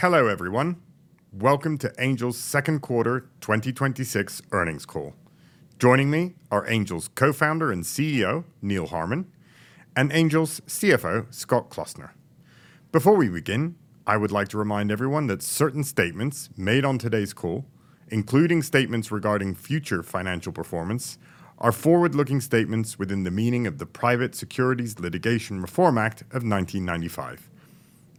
Hello, everyone. Welcome to Angel's second quarter 2026 Earnings Call. Joining me are Angel's Co-Founder and CEO, Neal Harmon, and Angel's CFO, Scott Klossner. Before we begin, I would like to remind everyone that certain statements made on today's call, including statements regarding future financial performance, are forward-looking statements within the meaning of the Private Securities Litigation Reform Act of 1995.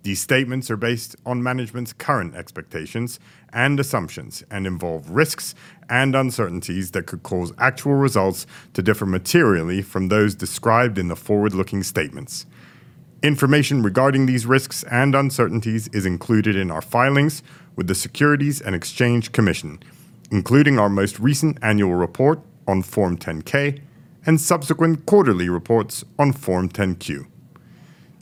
These statements are based on management's current expectations and assumptions and involve risks and uncertainties that could cause actual results to differ materially from those described in the forward-looking statements. Information regarding these risks and uncertainties is included in our filings with the Securities and Exchange Commission, including our most recent annual report on Form 10-K and subsequent quarterly reports on Form 10-Q.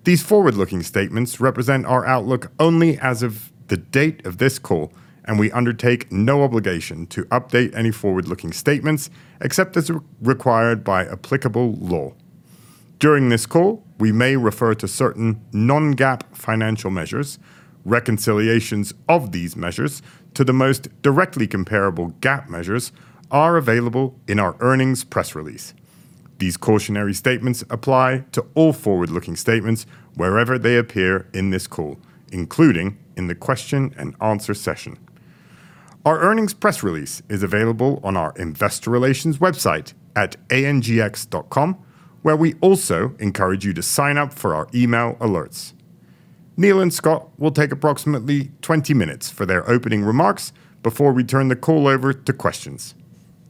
These forward-looking statements represent our outlook only as of the date of this call. We undertake no obligation to update any forward-looking statements, except as required by applicable law. During this call, we may refer to certain non-GAAP financial measures. Reconciliations of these measures to the most directly comparable GAAP measures are available in our earnings press release. These cautionary statements apply to all forward-looking statements wherever they appear in this call, including in the question-and-answer session. Our earnings press release is available on our investor relations website at angx.com, where we also encourage you to sign up for our email alerts. Neal and Scott will take approximately 20 minutes for their opening remarks before we turn the call over to questions.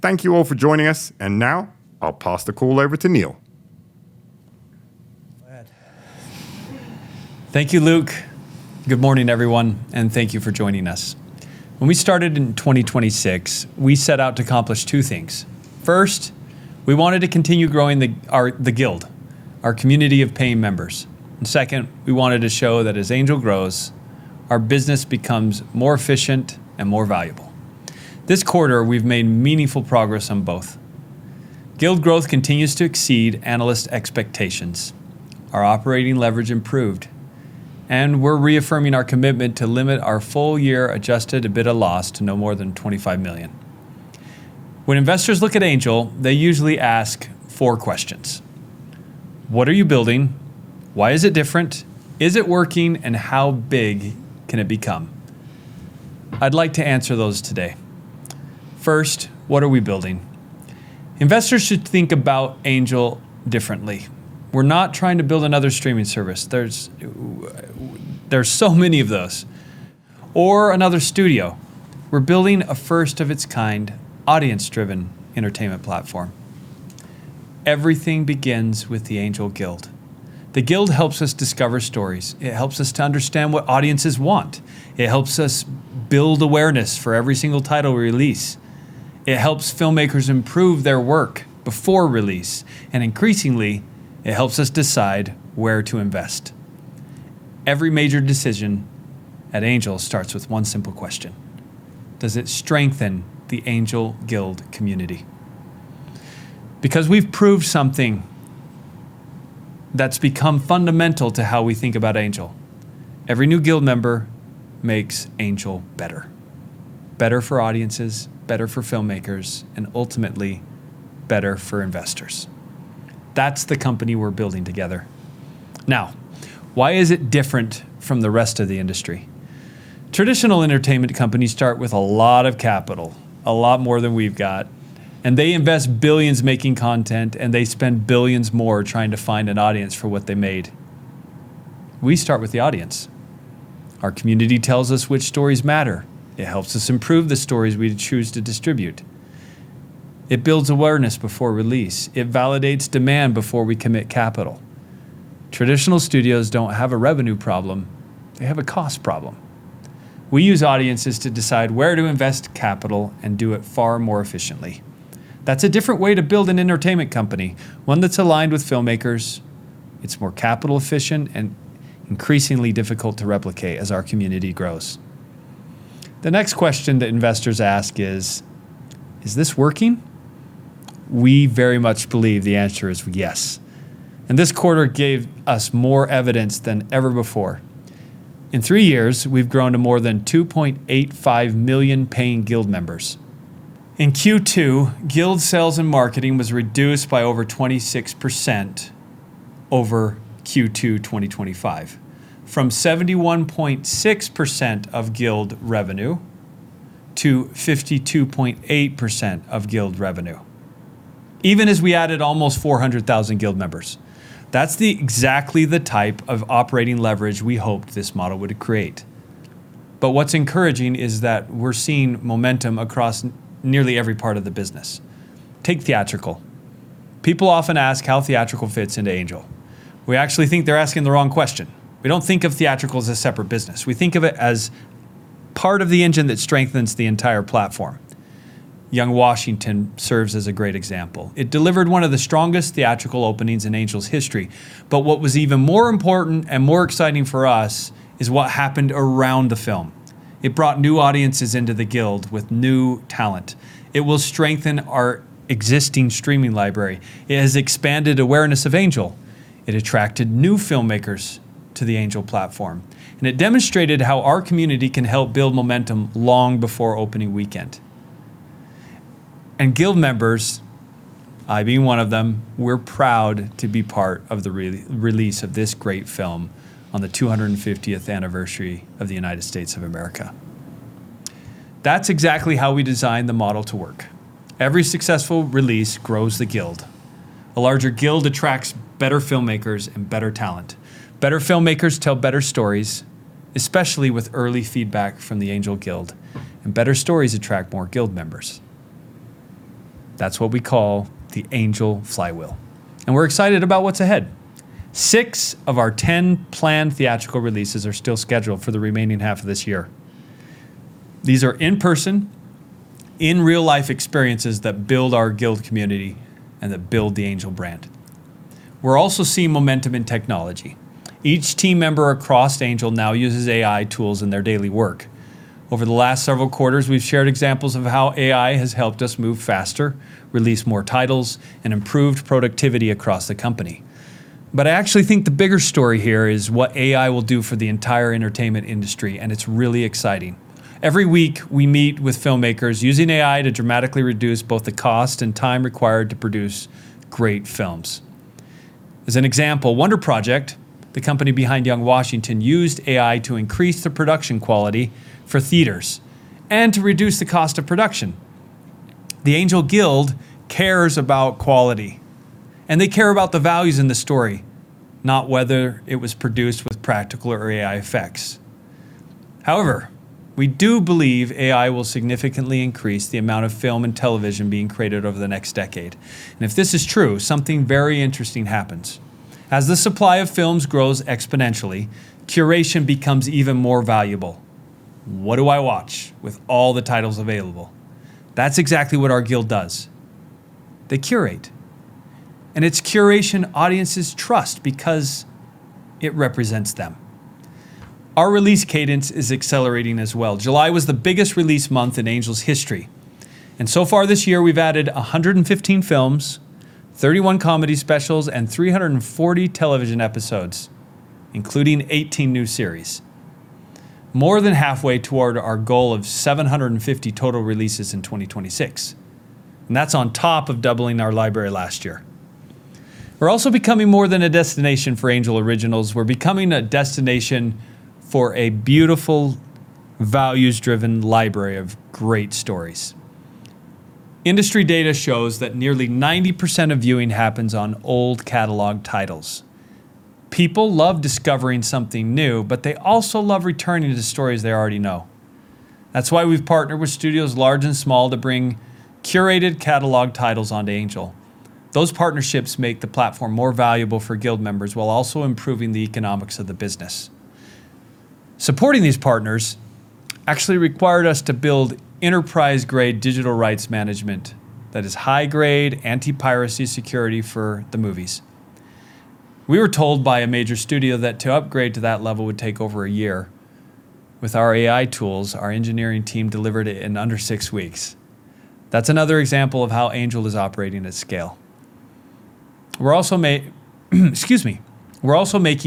Thank you all for joining us. Now I'll pass the call over to Neal. Thank you, Luk. Good morning, everyone, and thank you for joining us. When we started in 2026, we set out to accomplish two things. First, we wanted to continue growing the Guild, our community of paying members. Second, we wanted to show that as Angel grows, our business becomes more efficient and more valuable. This quarter, we've made meaningful progress on both. Guild growth continues to exceed analyst expectations. Our operating leverage improved, and we're reaffirming our commitment to limit our full-year adjusted EBITDA loss to no more than $25 million. When investors look at Angel, they usually ask four questions: What are you building? Why is it different? Is it working? How big can it become? I'd like to answer those today. First, what are we building? Investors should think about Angel differently. We're not trying to build another streaming service, there's so many of those, or another studio. We're building a first-of-its-kind, audience-driven entertainment platform. Everything begins with the Angel Guild. The Guild helps us discover stories. It helps us to understand what audiences want. It helps us build awareness for every single title release. It helps filmmakers improve their work before release. Increasingly, it helps us decide where to invest. Every major decision at Angel starts with one simple question: Does it strengthen the Angel Guild community? Because we've proved something that's become fundamental to how we think about Angel. Every new Guild member makes Angel better. Better for audiences, better for filmmakers, and ultimately, better for investors. That's the company we're building together. Now, why is it different from the rest of the industry? Traditional entertainment companies start with a lot of capital, a lot more than we've got, and they invest billions making content, and they spend billions more trying to find an audience for what they made. We start with the audience. Our community tells us which stories matter. It helps us improve the stories we choose to distribute. It builds awareness before release. It validates demand before we commit capital. Traditional studios don't have a revenue problem. They have a cost problem. We use audiences to decide where to invest capital and do it far more efficiently. That's a different way to build an entertainment company, one that's aligned with filmmakers. It's more capital efficient and increasingly difficult to replicate as our community grows. The next question that investors ask is: Is this working? We very much believe the answer is yes, and this quarter gave us more evidence than ever before. In three years, we've grown to more than 2.85 million paying Guild members. In Q2, Guild sales and marketing was reduced by over 26% over Q2 2025, from 71.6% of Guild revenue to 52.8% of Guild revenue, even as we added almost 400,000 Guild members. That's exactly the type of operating leverage we hoped this model would create. What's encouraging is that we're seeing momentum across nearly every part of the business. Take theatrical. People often ask how theatrical fits into Angel. We actually think they're asking the wrong question. We don't think of theatrical as a separate business. We think of it as part of the engine that strengthens the entire platform. "Young Washington" serves as a great example. It delivered one of the strongest theatrical openings in Angel's history. What was even more important and more exciting for us is what happened around the film. It brought new audiences into the Guild with new talent. It will strengthen our existing streaming library. It has expanded awareness of Angel. It attracted new filmmakers to the Angel platform, and it demonstrated how our community can help build momentum long before opening weekend. Guild members, I being one of them, we're proud to be part of the release of this great film on the 250th anniversary of the United States of America. That's exactly how we designed the model to work. Every successful release grows the Guild. A larger Guild attracts better filmmakers and better talent. Better filmmakers tell better stories, especially with early feedback from the Angel Guild, and better stories attract more Guild members. That's what we call the Angel Flywheel. We're excited about what's ahead. Six of our 10 planned theatrical releases are still scheduled for the remaining half of this year. These are in-person, in real-life experiences that build our Guild community and that build the Angel brand. We're also seeing momentum in technology. Each team member across Angel now uses AI tools in their daily work. Over the last several quarters, we've shared examples of how AI has helped us move faster, release more titles, and improved productivity across the company. I actually think the bigger story here is what AI will do for the entire entertainment industry, and it's really exciting. Every week, we meet with filmmakers using AI to dramatically reduce both the cost and time required to produce great films. As an example, Wonder Project, the company behind "Young Washington," used AI to increase the production quality for theaters and to reduce the cost of production. The Angel Guild cares about quality, they care about the values in the story, not whether it was produced with practical or AI effects. However, we do believe AI will significantly increase the amount of film and television being created over the next decade, if this is true, something very interesting happens. As the supply of films grows exponentially, curation becomes even more valuable. What do I watch with all the titles available? That's exactly what our Guild does. They curate, it's curation audiences trust because it represents them. Our release cadence is accelerating as well. July was the biggest release month in Angel's history, so far this year, we've added 115 films, 31 comedy specials, and 340 television episodes, including 18 new series. More than halfway toward our goal of 750 total releases in 2026, that's on top of doubling our library last year. We're also becoming more than a destination for Angel Originals. We're becoming a destination for a beautiful, values-driven library of great stories. Industry data shows that nearly 90% of viewing happens on old catalog titles. People love discovering something new, they also love returning to the stories they already know. That's why we've partnered with studios large and small to bring curated catalog titles onto Angel. Those partnerships make the platform more valuable for Guild members while also improving the economics of the business. Supporting these partners actually required us to build enterprise-grade digital rights management that is high-grade anti-piracy security for the movies. We were told by a major studio that to upgrade to that level would take over a year. With our AI tools, our engineering team delivered it in under six weeks. That's another example of how Angel is operating at scale. We're also making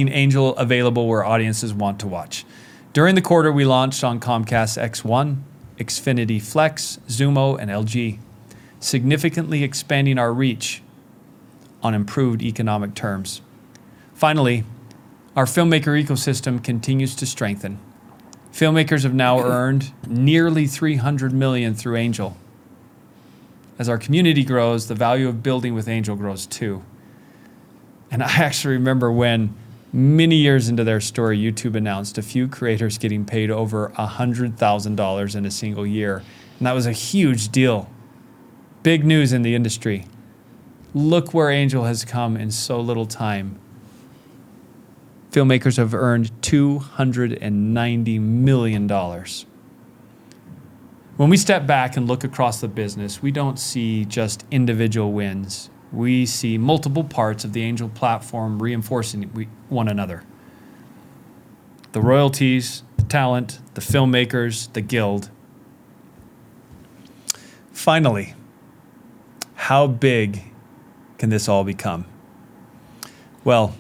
Angel available where audiences want to watch. During the quarter, we launched on Comcast X1, Xfinity Flex, Xumo, and LG, significantly expanding our reach on improved economic terms. Finally, our filmmaker ecosystem continues to strengthen. Filmmakers have now earned nearly $300 million through Angel. As our community grows, the value of building with Angel grows, too. I actually remember when, many years into their story, YouTube announced a few creators getting paid over $100,000 in a single year, that was a huge deal. Big news in the industry. Look where Angel has come in so little time. Filmmakers have earned $290 million. When we step back and look across the business, we don't see just individual wins. We see multiple parts of the Angel platform reinforcing one another. The royalties, the talent, the filmmakers, the Guild. Finally, how big can this all become? Well,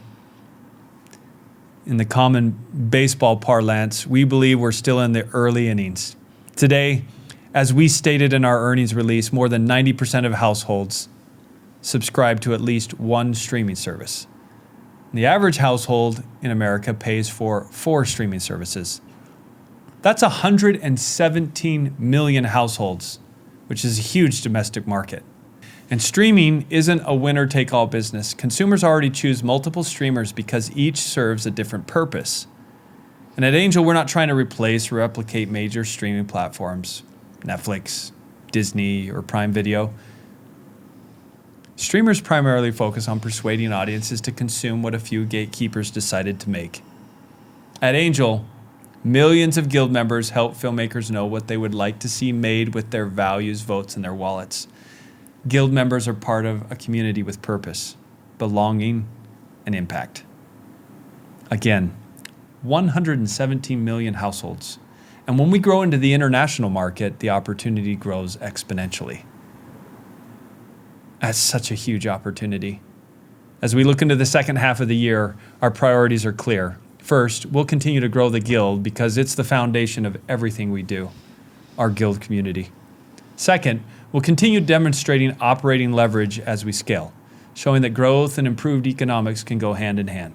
in the common baseball parlance, we believe we're still in the early innings. Today, as we stated in our earnings release, more than 90% of households subscribe to at least one streaming service. The average household in America pays for four streaming services. That's 117 million households, which is a huge domestic market. Streaming isn't a winner-take-all business. Consumers already choose multiple streamers because each serves a different purpose. At Angel, we're not trying to replace or replicate major streaming platforms, Netflix, Disney, or Prime Video. Streamers primarily focus on persuading audiences to consume what a few gatekeepers decided to make. At Angel, millions of Guild members help filmmakers know what they would like to see made with their values, votes, and their wallets. Guild members are part of a community with purpose, belonging, and impact. Again, 117 million households. When we grow into the international market, the opportunity grows exponentially. That is such a huge opportunity. As we look into the second half of the year, our priorities are clear. First, we will continue to grow the Guild because it is the foundation of everything we do, our Guild community. Second, we will continue demonstrating operating leverage as we scale, showing that growth and improved economics can go hand-in-hand.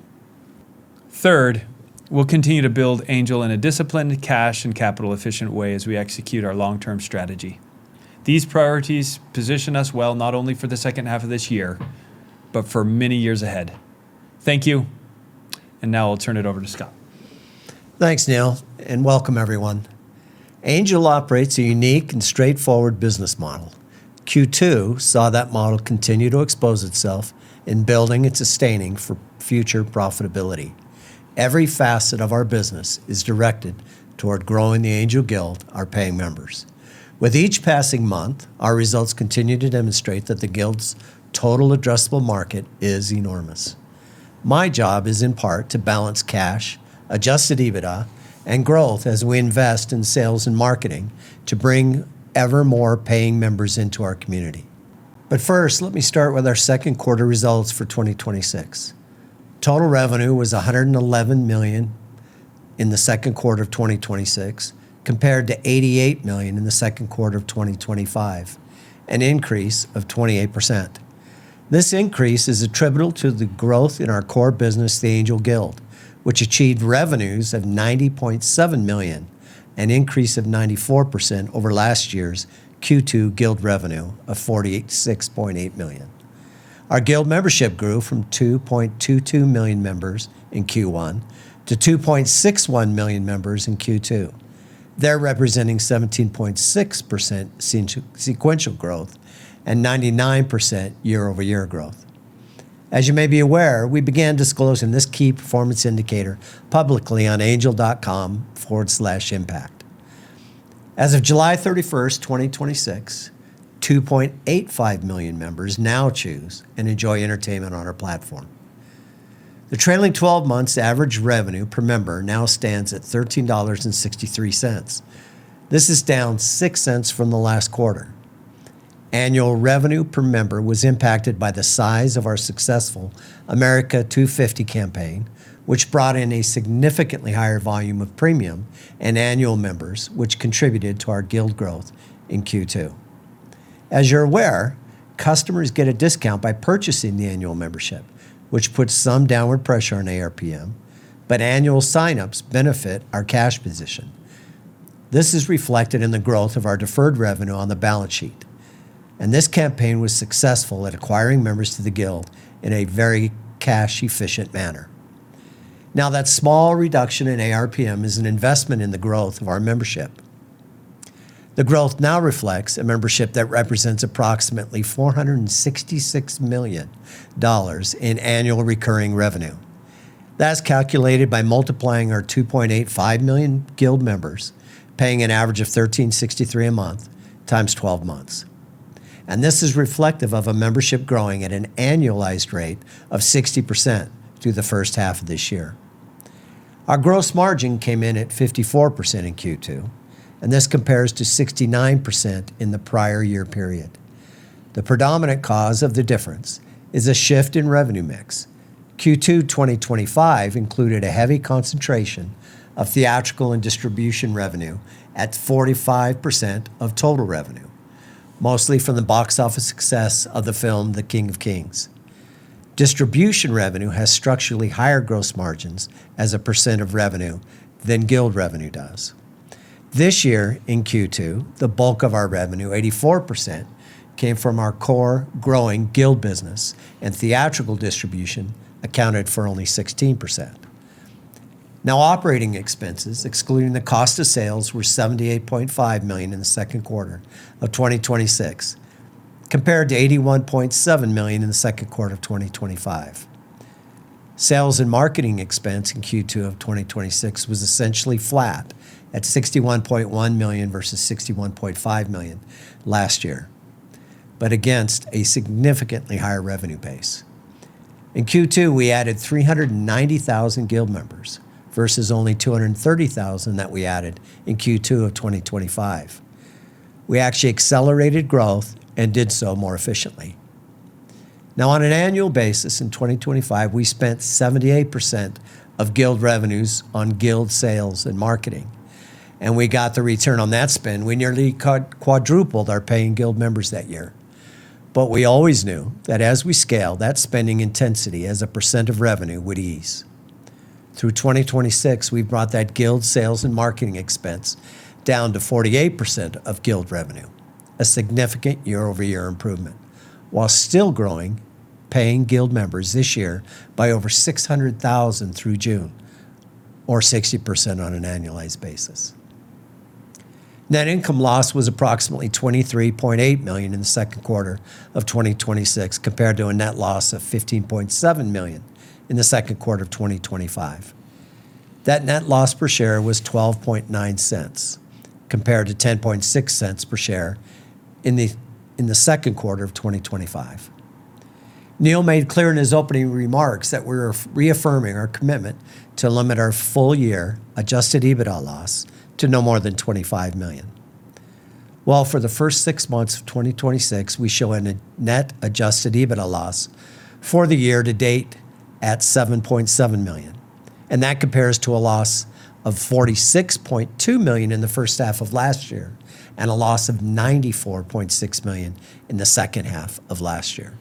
Third, we will continue to build Angel in a disciplined, cash, and capital-efficient way as we execute our long-term strategy. These priorities position us well, not only for the second half of this year, but for many years ahead. Thank you. Now I will turn it over to Scott. Thanks, Neal. Welcome everyone. Angel operates a unique and straightforward business model. Q2 saw that model continue to expose itself in building and sustaining for future profitability. Every facet of our business is directed toward growing the Angel Guild, our paying members. With each passing month, our results continue to demonstrate that the Guild's total addressable market is enormous. My job is, in part, to balance cash, adjusted EBITDA, and growth as we invest in sales and marketing to bring ever more paying members into our community. First, let me start with our second quarter results for 2026. Total revenue was $111 million in the second quarter of 2026, compared to $88 million in the second quarter of 2025, an increase of 28%. This increase is attributable to the growth in our core business, the Angel Guild, which achieved revenues of $90.7 million, an increase of 94% over last year's Q2 Guild revenue of $46.8 million. Our Guild membership grew from 2.22 million members in Q1 to 2.61 million members in Q2. They are representing 17.6% sequential growth and 99% year-over-year growth. As you may be aware, we began disclosing this KPI publicly on angel.com/impact. As of July 31st, 2026, 2.85 million members now choose and enjoy entertainment on our platform. The trailing 12 months average revenue per member now stands at $13.63. This is down $0.06 from the last quarter. Annual revenue per member was impacted by the size of our successful America 250 campaign, which brought in a significantly higher volume of premium and annual members, which contributed to our Guild growth in Q2. As you are aware, customers get a discount by purchasing the annual membership, which puts some downward pressure on ARPM, but annual sign-ups benefit our cash position. This is reflected in the growth of our deferred revenue on the balance sheet, and this campaign was successful at acquiring members to the Guild in a very cash-efficient manner. That small reduction in ARPM is an investment in the growth of our membership. The growth now reflects a membership that represents approximately $466 million in annual recurring revenue. That is calculated by multiplying our 2.85 million Guild members, paying an average of $13.63 a month times 12 months. This is reflective of a membership growing at an annualized rate of 60% through the first half of this year. Our gross margin came in at 54% in Q2, and this compares to 69% in the prior year period. The predominant cause of the difference is a shift in revenue mix. Q2 2025 included a heavy concentration of theatrical and distribution revenue at 45% of total revenue, mostly from the box office success of the film The King of Kings. Distribution revenue has structurally higher gross margins as a percent of revenue than Guild revenue does. This year in Q2, the bulk of our revenue, 84%, came from our core growing Guild business, and theatrical distribution accounted for only 16%. Operating expenses, excluding the cost of sales, were $78.5 million in the second quarter of 2026, compared to $81.7 million in the second quarter of 2025. Sales and marketing expense in Q2 of 2026 was essentially flat at $61.1 million versus $61.5 million last year, but against a significantly higher revenue base. In Q2, we added 390,000 Guild members versus only 230,000 that we added in Q2 of 2025. We actually accelerated growth and did so more efficiently. On an annual basis in 2025, we spent 78% of Guild revenues on Guild sales and marketing, and we got the return on that spend. We nearly quadrupled our paying Guild members that year. We always knew that as we scale, that spending intensity as a percent of revenue would ease. Through 2026, we've brought that Guild sales and marketing expense down to 48% of Guild revenue, a significant year-over-year improvement, while still growing paying Guild members this year by over 600,000 through June, or 60% on an annualized basis. Net income loss was approximately $23.8 million in the second quarter of 2026, compared to a net loss of $15.7 million in the second quarter of 2025. That net loss per share was $0.129, compared to $0.106 per share in the second quarter of 2025. Neal made clear in his opening remarks that we're reaffirming our commitment to limit our full year adjusted EBITDA loss to no more than $25 million. For the first six months of 2026, we show a net adjusted EBITDA loss for the year to date at $7.7 million, and that compares to a loss of $46.2 million in the first half of last year and a loss of $94.6 million in the second half of last year.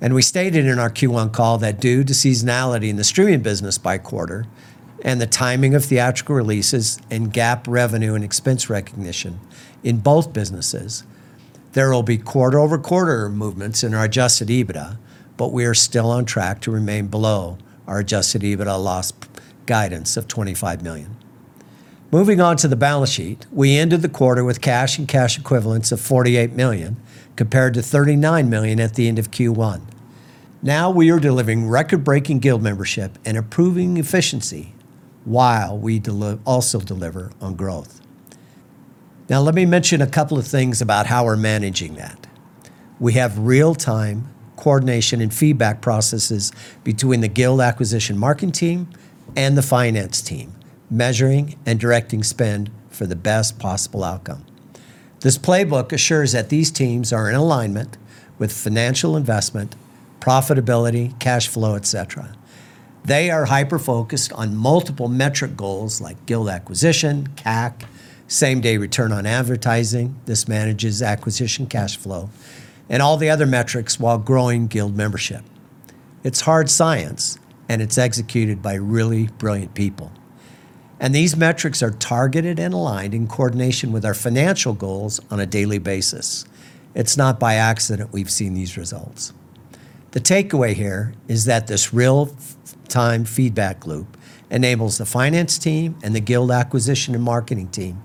We stated in our Q1 call that due to seasonality in the streaming business by quarter and the timing of theatrical releases and GAAP revenue and expense recognition in both businesses, there will be quarter-over-quarter movements in our adjusted EBITDA, but we are still on track to remain below our adjusted EBITDA loss guidance of $25 million. Moving on to the balance sheet, we ended the quarter with cash and cash equivalents of $48 million, compared to $39 million at the end of Q1. We are delivering record-breaking Guild membership and improving efficiency while we also deliver on growth. Let me mention a couple of things about how we're managing that. We have real-time coordination and feedback processes between the Guild acquisition marketing team and the finance team, measuring and directing spend for the best possible outcome. This playbook assures that these teams are in alignment with financial investment, profitability, cash flow, et cetera. They are hyper-focused on multiple metric goals like Guild acquisition, CAC, same-day return on advertising. This manages acquisition cash flow and all the other metrics while growing Guild membership. It's hard science, and it's executed by really brilliant people. These metrics are targeted and aligned in coordination with our financial goals on a daily basis. It's not by accident we've seen these results. The takeaway here is that this real-time feedback loop enables the finance team and the Guild acquisition and marketing team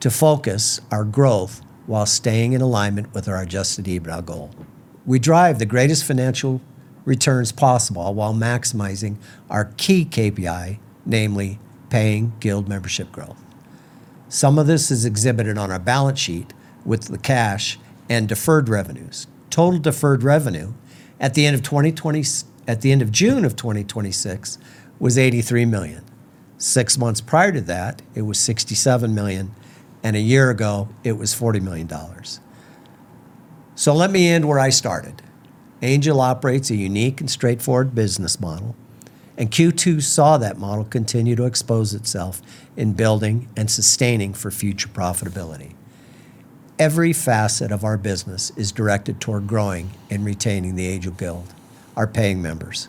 to focus our growth while staying in alignment with our adjusted EBITDA goal. We drive the greatest financial returns possible while maximizing our key KPI, namely paying Guild membership growth. Some of this is exhibited on our balance sheet with the cash and deferred revenues. Total deferred revenue at the end of June of 2026 was $83 million. Six months prior to that, it was $67 million, and a year ago, it was $40 million. Let me end where I started. Angel operates a unique and straightforward business model, and Q2 saw that model continue to expose itself in building and sustaining for future profitability. Every facet of our business is directed toward growing and retaining the Angel Guild, our paying members.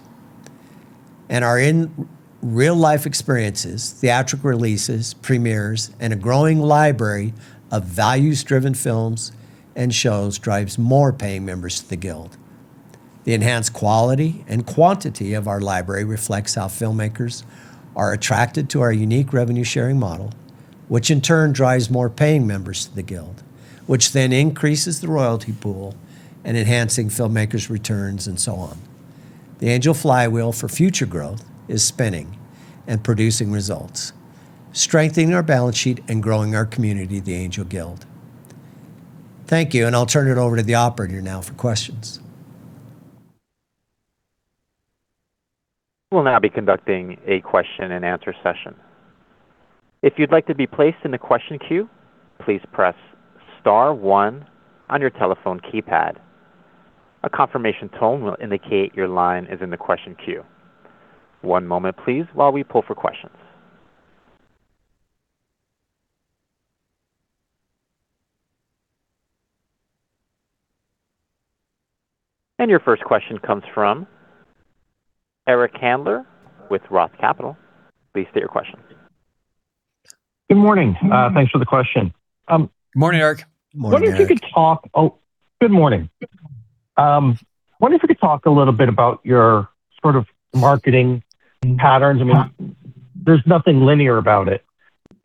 Our in real-life experiences, theatrical releases, premieres, and a growing library of values-driven films and shows drives more paying members to the Guild. The enhanced quality and quantity of our library reflects how filmmakers are attracted to our unique revenue-sharing model, which in turn drives more paying members to the Guild, which then increases the royalty pool and enhancing filmmakers' returns and so on. The Angel Flywheel for future growth is spinning and producing results, strengthening our balance sheet and growing our community, the Angel Guild. Thank you, and I'll turn it over to the operator now for questions. We'll now be conducting a question and answer session. If you'd like to be placed in the question queue, please press star one on your telephone keypad. A confirmation tone will indicate your line is in the question queue. One moment, please, while we pull for questions. Your first question comes from Eric Handler with Roth Capital. Please state your question. Good morning. Thanks for the question. Good morning, Eric. Good morning, Eric. Oh, good morning. I wonder if you could talk a little bit about your sort of marketing patterns. There's nothing linear about it.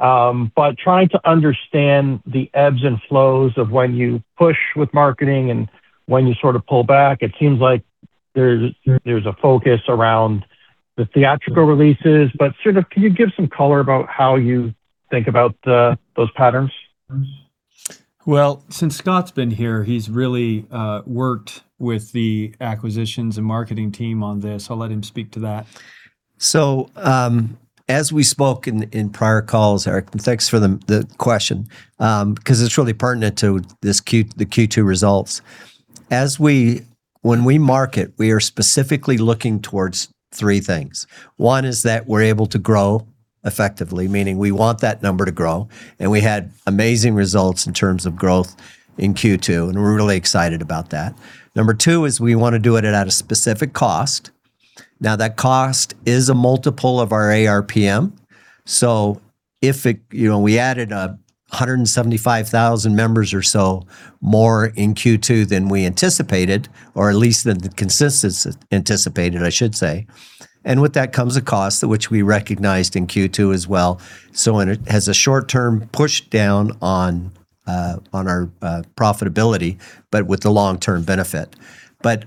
Trying to understand the ebbs and flows of when you push with marketing and when you sort of pull back. It seems like there's a focus around the theatrical releases, but can you give some color about how you think about those patterns? Well, since Scott's been here, he's really worked with the acquisitions and marketing team on this. I'll let him speak to that. As we spoke in prior calls, Eric, and thanks for the question, because it's really pertinent to the Q2 results. When we market, we are specifically looking towards three things. One is that we're able to grow effectively, meaning we want that number to grow, and we had amazing results in terms of growth in Q2, and we're really excited about that. Number two is we want to do it at a specific cost. That cost is a multiple of our ARPM. We added 175,000 members or so more in Q2 than we anticipated, or at least than the consensus anticipated, I should say. With that comes a cost, which we recognized in Q2 as well. It has a short-term push down on our profitability, but with the long-term benefit.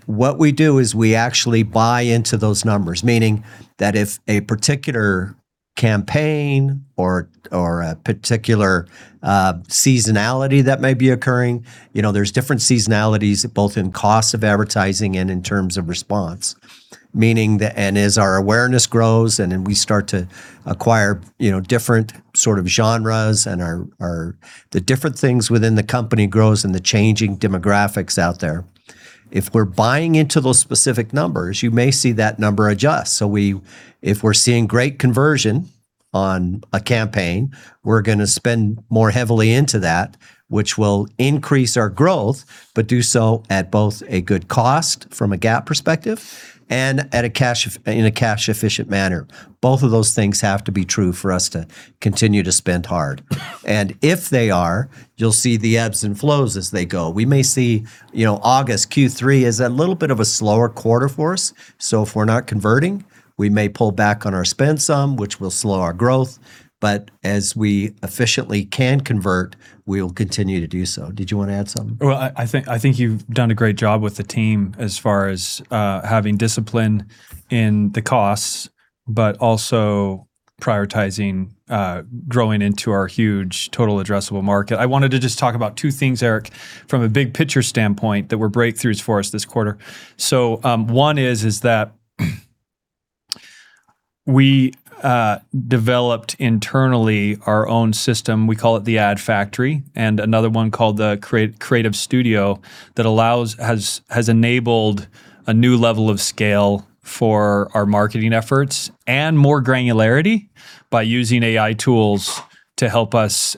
What we do is we actually buy into those numbers, meaning that if a particular campaign or a particular seasonality that may be occurring, there's different seasonalities both in cost of advertising and in terms of response. Meaning that as our awareness grows and then we start to acquire different sort of genres and the different things within the company grows and the changing demographics out there, if we're buying into those specific numbers, you may see that number adjust. If we're seeing great conversion on a campaign, we're going to spend more heavily into that, which will increase our growth, but do so at both a good cost from a GAAP perspective and in a cash-efficient manner. Both of those things have to be true for us to continue to spend hard. If they are, you'll see the ebbs and flows as they go. We may see August, Q3 is a little bit of a slower quarter for us, so if we're not converting, we may pull back on our spend some, which will slow our growth, but as we efficiently can convert, we'll continue to do so. Did you want to add something? Well, I think you've done a great job with the team as far as having discipline in the costs. Also prioritizing growing into our huge total addressable market. I wanted to just talk about two things, Eric, from a big picture standpoint that were breakthroughs for us this quarter. One is that we developed internally our own system. We call it the Ad Factory, and another one called the Creative Studio that has enabled a new level of scale for our marketing efforts and more granularity by using AI tools to help us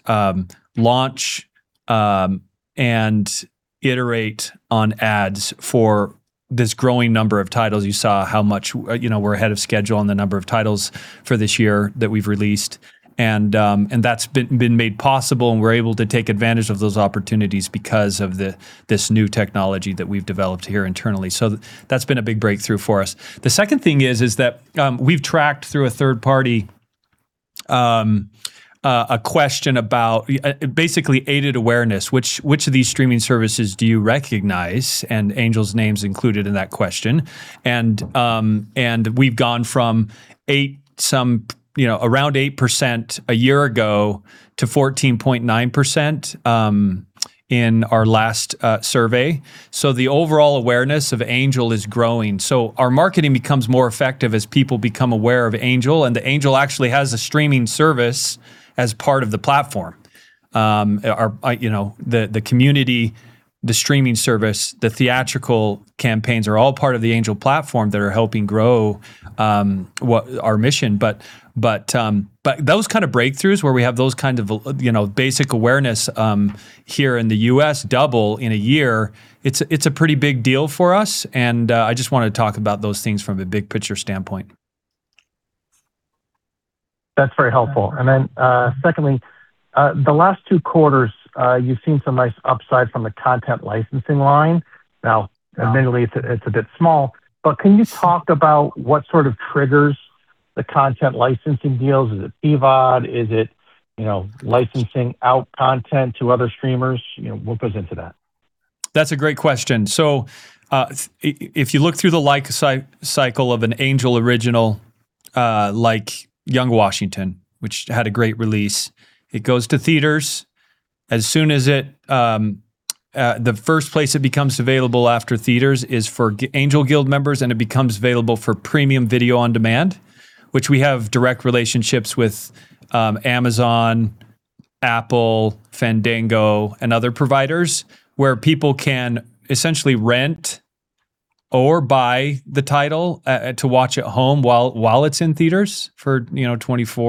launch and iterate on ads for this growing number of titles. You saw how much we're ahead of schedule on the number of titles for this year that we've released, and that's been made possible, and we're able to take advantage of those opportunities because of this new technology that we've developed here internally. That's been a big breakthrough for us. The second thing is that we've tracked through a third party a question about basically aided awareness. Which of these streaming services do you recognize? Angel's name's included in that question. We've gone from around 8% a year ago to 14.9% in our last survey. The overall awareness of Angel is growing. Our marketing becomes more effective as people become aware of Angel, and Angel actually has a streaming service as part of the platform. The community, the streaming service, the theatrical campaigns are all part of the Angel platform that are helping grow our mission. Those kind of breakthroughs where we have those kind of basic awareness here in the U.S. double in a year, it's a pretty big deal for us, and I just want to talk about those things from a big picture standpoint. That's very helpful. Secondly, the last two quarters, you've seen some nice upside from the content licensing line. Now, admittedly, it's a bit small, but can you talk about what sort of triggers the content licensing deals? Is it VOD? Is it licensing out content to other streamers? What goes into that? That's a great question. If you look through the life cycle of an Angel original, like "Young Washington," which had a great release, it goes to theaters. The first place it becomes available after theaters is for Angel Guild members, and it becomes available for premium video on demand, which we have direct relationships with Amazon, Apple, Fandango, and other providers, where people can essentially rent or buy the title to watch at home while it's in theaters for $24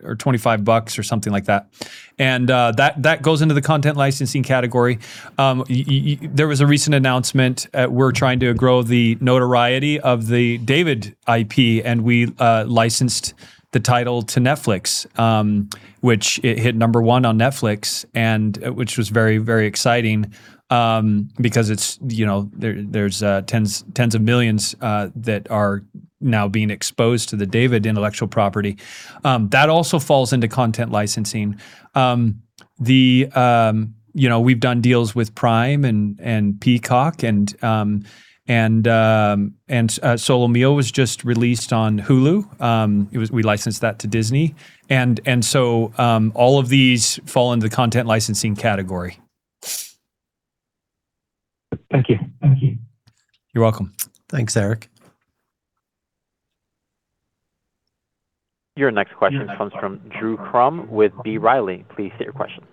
or $25 or something like that. That goes into the content licensing category. There was a recent announcement. We're trying to grow the notoriety of the DAVID IP, and we licensed the title to Netflix, which it hit number one on Netflix, which was very exciting because there's tens of millions that are now being exposed to the DAVID intellectual property. That also falls into content licensing. We've done deals with Prime and Peacock, "Solo Mio" was just released on Hulu. We licensed that to Disney. All of these fall into the content licensing category. Thank you. You're welcome. Thanks, Eric. Your next question comes from Drew Crum with B. Riley. Please state your question.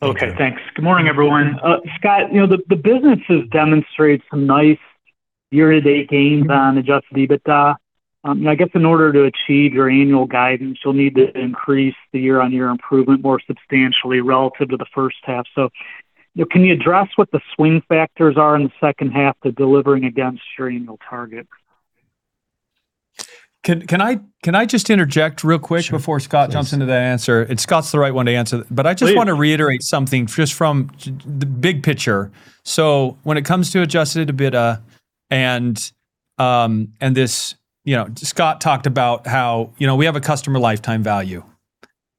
Okay. Okay, thanks. Good morning, everyone. Scott, the business has demonstrated some nice year-to-date gains on adjusted EBITDA. I guess in order to achieve your annual guidance, you'll need to increase the year-on-year improvement more substantially relative to the first half. Can you address what the swing factors are in the second half to delivering against your annual target? Can I just interject real quick- Sure before Scott jumps into that answer? Scott's the right one to answer. I just want to reiterate something just from the big picture. When it comes to adjusted EBITDA. Scott talked about how we have a customer lifetime value,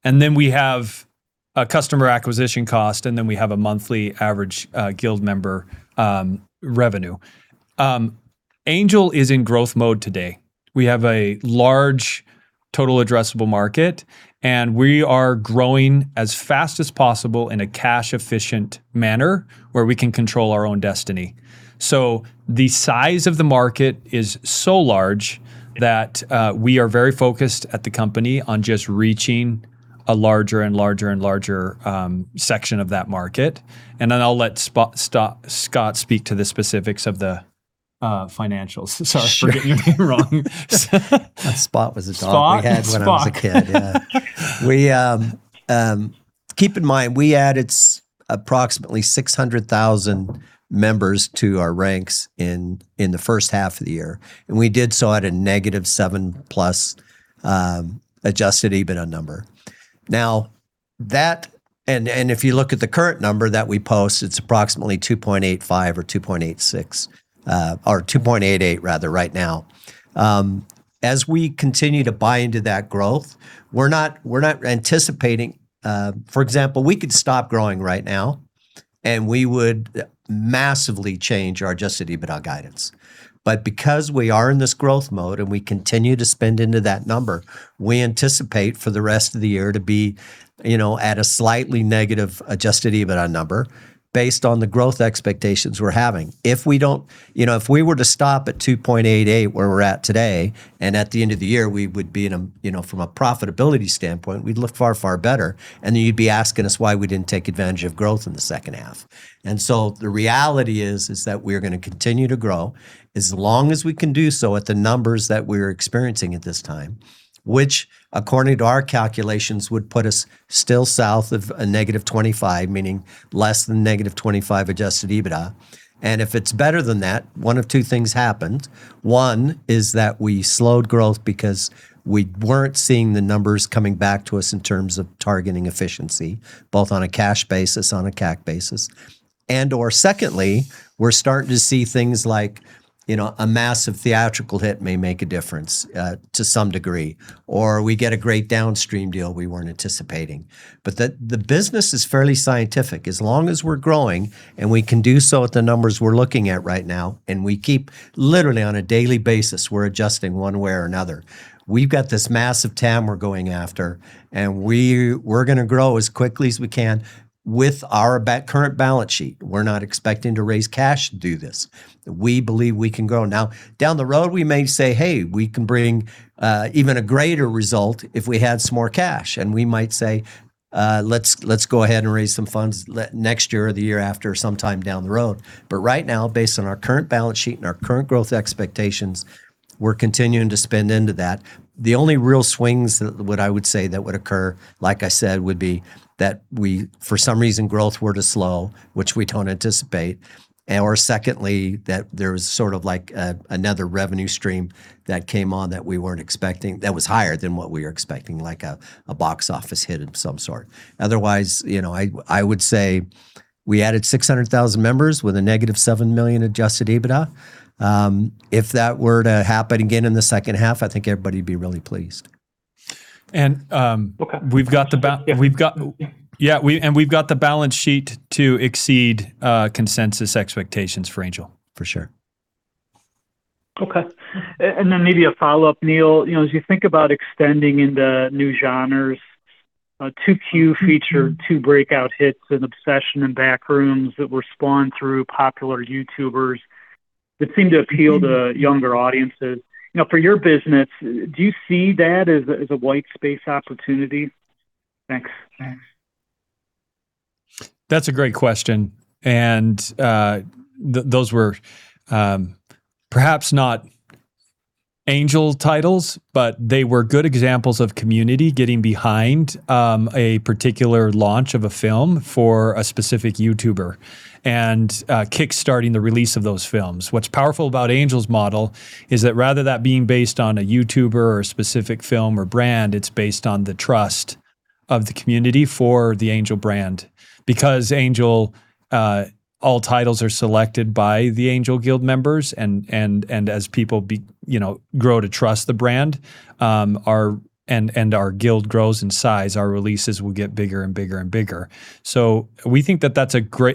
and then we have a customer acquisition cost, and then we have a monthly average Angel Guild member revenue. Angel is in growth mode today. We have a large total addressable market, and we are growing as fast as possible in a cash-efficient manner where we can control our own destiny. The size of the market is so large that we are very focused at the company on just reaching a larger and larger section of that market. I'll let Scott speak to the specifics of the financials. Sorry for getting your name wrong. Spot was a dog we had- Spot When I was a kid, yeah. Keep in mind, we added approximately 600,000 members to our ranks in the first half of the year. We did so at a negative $7 million+ adjusted EBITDA number. If you look at the current number that we post, it's approximately $2.85 million or $2.86 million, or $2.88 million rather right now. As we continue to buy into that growth, we're not anticipating. For example, we could stop growing right now, and we would massively change our adjusted EBITDA guidance. Because we are in this growth mode and we continue to spend into that number, we anticipate for the rest of the year to be at a slightly negative adjusted EBITDA number based on the growth expectations we're having. If we were to stop at $2.88 million, where we're at today, at the end of the year, from a profitability standpoint, we'd look far, far better, and you'd be asking us why we didn't take advantage of growth in the second half. The reality is that we're going to continue to grow as long as we can do so at the numbers that we're experiencing at this time, which according to our calculations, would put us still south of a negative $25 million, meaning less than negative $25 million adjusted EBITDA. If it's better than that, one of two things happened. One is that we slowed growth because we weren't seeing the numbers coming back to us in terms of targeting efficiency, both on a cash basis, on a CAC basis. Secondly, we're starting to see things like a massive theatrical hit may make a difference to some degree, or we get a great downstream deal we weren't anticipating. The business is fairly scientific. As long as we're growing and we can do so at the numbers we're looking at right now, we keep literally on a daily basis, we're adjusting one way or another. We've got this massive TAM we're going after, we were going to grow as quickly as we can with our current balance sheet. We're not expecting to raise cash to do this. We believe we can grow. Down the road, we may say, "Hey, we can bring even a greater result if we had some more cash." We might say, "Let's go ahead and raise some funds next year or the year after, sometime down the road." Right now, based on our current balance sheet and our current growth expectations, we're continuing to spend into that. The only real swings that I would say that would occur, like I said, would be that if for some reason, growth were to slow, which we don't anticipate, or secondly, that there's sort of another revenue stream that came on that we weren't expecting, that was higher than what we were expecting, like a box office hit of some sort. Otherwise, I would say we added 600,000 members with a negative $7 million adjusted EBITDA. If that were to happen again in the second half, I think everybody'd be really pleased. We've got the balance sheet to exceed consensus expectations for Angel, for sure. Okay. Maybe a follow-up, Neal. As you think about extending into new genres, 2Q featured two breakout hits in "Obsession" and "Backrooms" that were spawned through popular YouTubers that seemed to appeal to younger audiences. For your business, do you see that as a white space opportunity? Thanks. That's a great question. Those were perhaps not Angel titles, but they were good examples of community getting behind a particular launch of a film for a specific YouTuber and kickstarting the release of those films. What's powerful about Angel's model is that rather than that being based on a YouTuber or a specific film or brand, it's based on the trust of the community for the Angel brand. Because Angel, all titles are selected by the Angel Guild members, as people grow to trust the brand, and our guild grows in size, our releases will get bigger and bigger. We think that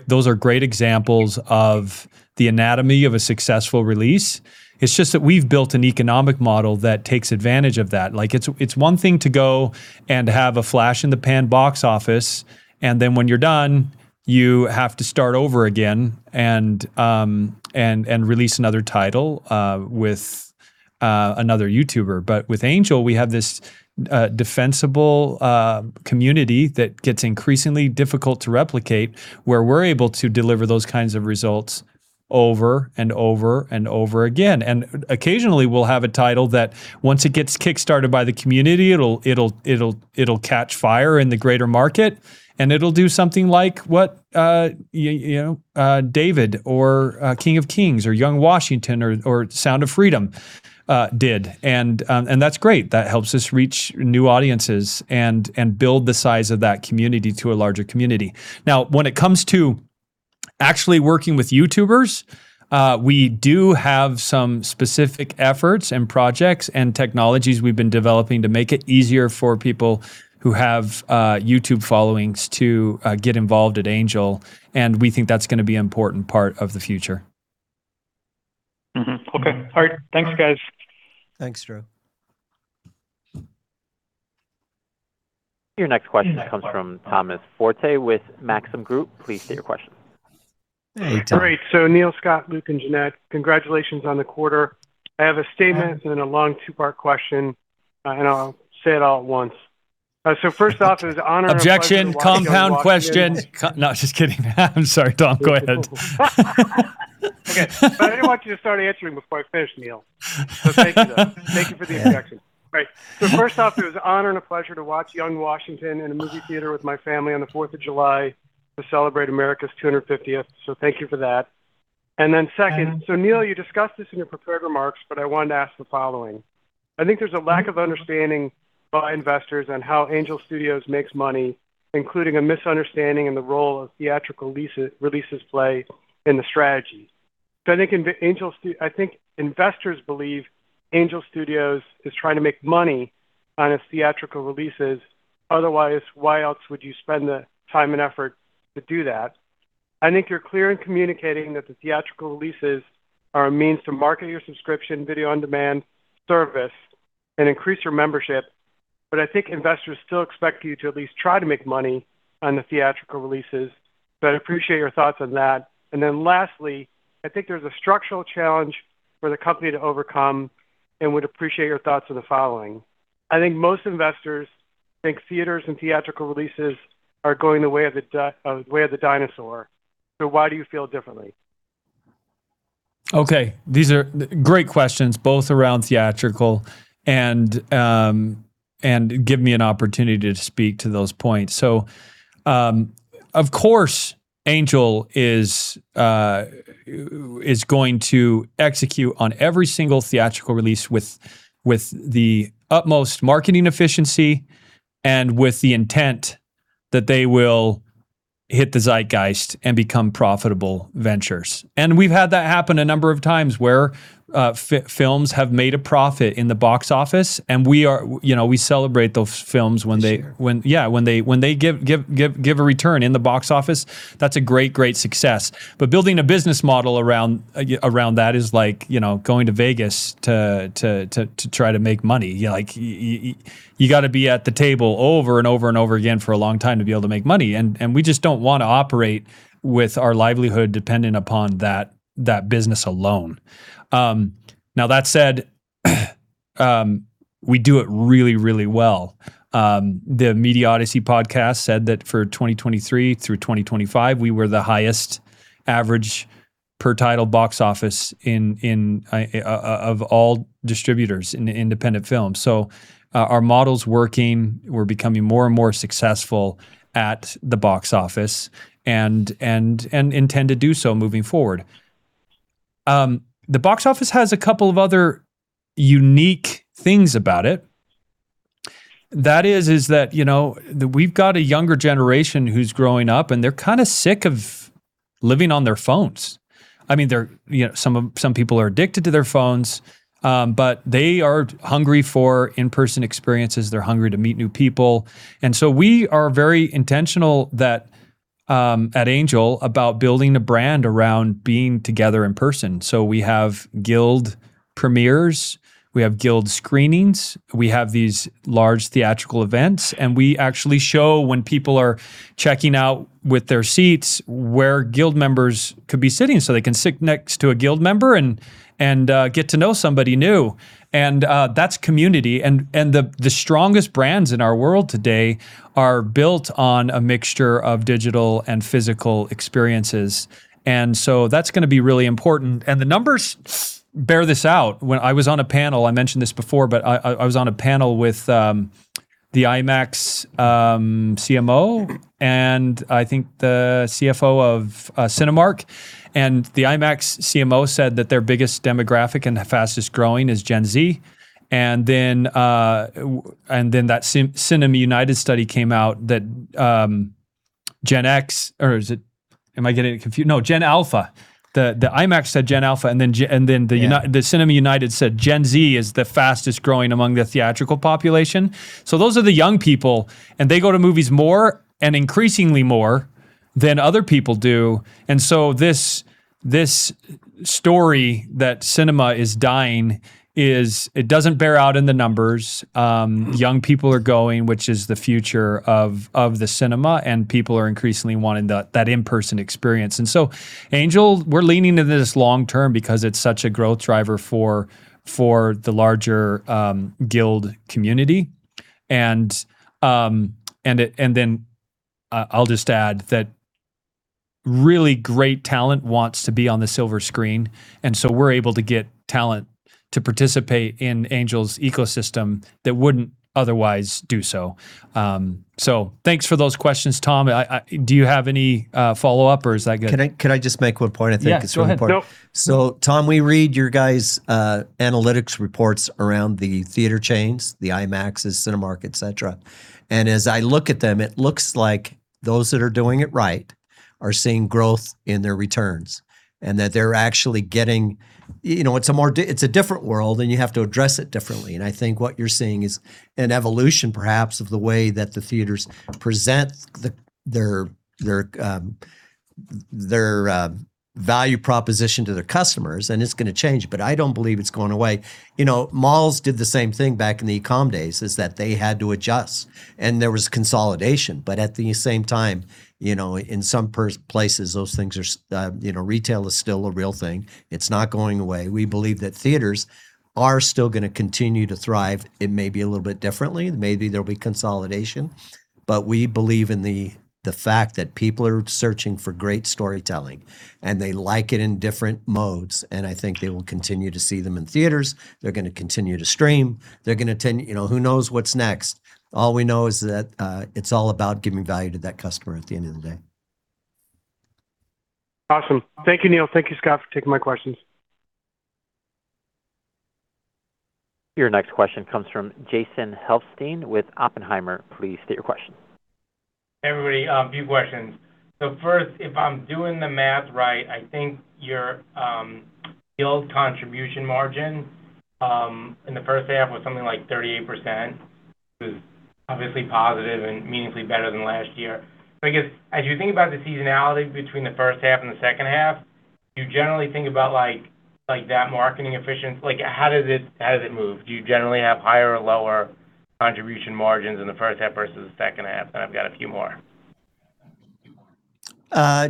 those are great examples of the anatomy of a successful release. It's just that we've built an economic model that takes advantage of that. It's one thing to go and have a flash in the pan box office, then when you're done, you have to start over again and release another title with another YouTuber. With Angel, we have this defensible community that gets increasingly difficult to replicate, where we're able to deliver those kinds of results over and over again. Occasionally, we'll have a title that once it gets kickstarted by the community, it'll catch fire in the greater market, and it'll do something like what "DAVID" or "The King of Kings" or "Young Washington" or "Sound of Freedom" did. That's great. That helps us reach new audiences and build the size of that community to a larger community. When it comes to actually working with YouTubers, we do have some specific efforts and projects and technologies we've been developing to make it easier for people who have YouTube followings to get involved at Angel, and we think that's going to be an important part of the future. Okay. All right. Thanks, guys. Thanks, Drew. Your next question comes from Thomas Forte with Maxim Group. Please state your question. Hey, Tom. Great. Neal, Scott, Luk, and Jeanette, congratulations on the quarter. I have a statement and a long two-part question, and I'll say it all at once. First off, it was an honor and a pleasure. Objection, compound question. No, just kidding. I'm sorry, Tom. Go ahead. I didn't want you to start answering before I finished, Neal. Thank you, though. Thank you for the objection. Great. First off, it was an honor and a pleasure to watch "Young Washington" in a movie theater with my family on the 4th of July to celebrate America's 250th, so thank you for that. Second, Neal, you discussed this in your prepared remarks, but I wanted to ask the following. I think there's a lack of understanding by investors on how Angel Studios makes money, including a misunderstanding in the role of theatrical releases play in the strategy. I think investors believe Angel Studios is trying to make money on its theatrical releases, otherwise, why else would you spend the time and effort to do that? I think you're clear in communicating that the theatrical releases are a means to market your subscription video on-demand service and increase your membership, but I think investors still expect you to at least try to make money on the theatrical releases. I'd appreciate your thoughts on that. Lastly, I think there's a structural challenge for the company to overcome and would appreciate your thoughts on the following. I think most investors think theaters and theatrical releases are going the way of the dinosaur. Why do you feel differently? These are great questions, both around theatrical and give me an opportunity to speak to those points. Of course, Angel is going to execute on every single theatrical release with the utmost marketing efficiency and with the intent that they will hit the zeitgeist and become profitable ventures. We've had that happen a number of times, where films have made a profit in the box office, and we celebrate those films when they- For sure yeah, when they give a return in the box office, that's a great success. Building a business model around that is like going to Vegas to try to make money. You've got to be at the table over and over and over again for a long time to be able to make money, and we just don't want to operate with our livelihood dependent upon that business alone. Now, that said, we do it really, really well. The Media Odyssey podcast said that for 2023 through 2025, we were the highest average per title box office of all distributors in independent film. Our model's working. We're becoming more and more successful at the box office and intend to do so moving forward. The box office has a couple of other unique things about it. That is that we've got a younger generation who's growing up, and they're kind of sick of living on their phones. Some people are addicted to their phones, but they are hungry for in-person experiences. They're hungry to meet new people. We are very intentional at Angel about building the brand around being together in person. We have guild premieres, we have guild screenings, we have these large theatrical events, and we actually show, when people are checking out with their seats, where guild members could be sitting, so they can sit next to a guild member and get to know somebody new. That's community. The strongest brands in our world today are built on a mixture of digital and physical experiences. That's going to be really important. The numbers bear this out. I mentioned this before, I was on a panel with the IMAX CMO, I think the CFO of Cinemark, The IMAX CMO said that their biggest demographic and the fastest-growing is Gen Z. That Cinema United study came out that Gen X, or am I getting it confused? No, Gen Alpha. The IMAX said Gen Alpha, and then the. Yeah Cinema United said Gen Z is the fastest-growing among the theatrical population. Those are the young people, and they go to movies more, and increasingly more, than other people do. This story that cinema is dying, it doesn't bear out in the numbers. Young people are going, which is the future of the cinema, and people are increasingly wanting that in-person experience. Angel, we're leaning into this long term because it's such a growth driver for the larger Angel Guild community. I'll just add that really great talent wants to be on the silver screen, and so we're able to get talent to participate in Angel's ecosystem that wouldn't otherwise do so. Thanks for those questions, Tom. Do you have any follow-up, or is that good? Can I just make one point? I think it's really important. Yeah, go ahead. Yeah. Tom, we read your guys' analytics reports around the theater chains, the IMAXs, Cinemark, et cetera. As I look at them, it looks like those that are doing it right are seeing growth in their returns. It's a different world, and you have to address it differently. I think what you're seeing is an evolution, perhaps, of the way that the theaters present their value proposition to their customers, and it's going to change, but I don't believe it's going away. Malls did the same thing back in the e-com days, is that they had to adjust. There was consolidation. At the same time, in some places, retail is still a real thing. It's not going away. We believe that theaters are still going to continue to thrive. It may be a little bit different. Maybe there'll be consolidation. We believe in the fact that people are searching for great storytelling, and they like it in different modes. I think they will continue to see them in theaters. They are going to continue to stream. Who knows what is next? All we know is that it is all about giving value to that customer at the end of the day. Awesome. Thank you, Neal. Thank you, Scott, for taking my questions. Your next question comes from Jason Helfstein with Oppenheimer. Please state your question. Hey, everybody. A few questions. First, if I am doing the math right, I think your guild contribution margin in the first half was something like 38%, which is obviously positive and meaningfully better than last year. I guess, as you think about the seasonality between the first half and the second half, do you generally think about that marketing efficiency? How does it move? Do you generally have higher or lower contribution margins in the first half versus the second half? I have got a few more.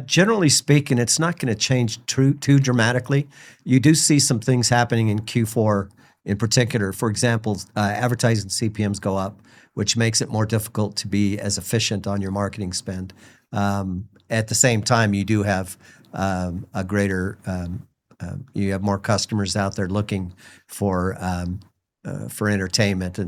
Generally speaking, it's not going to change too dramatically. You do see some things happening in Q4 in particular. For example, advertising CPMs go up, which makes it more difficult to be as efficient on your marketing spend. At the same time, you do have more customers out there looking for entertainment,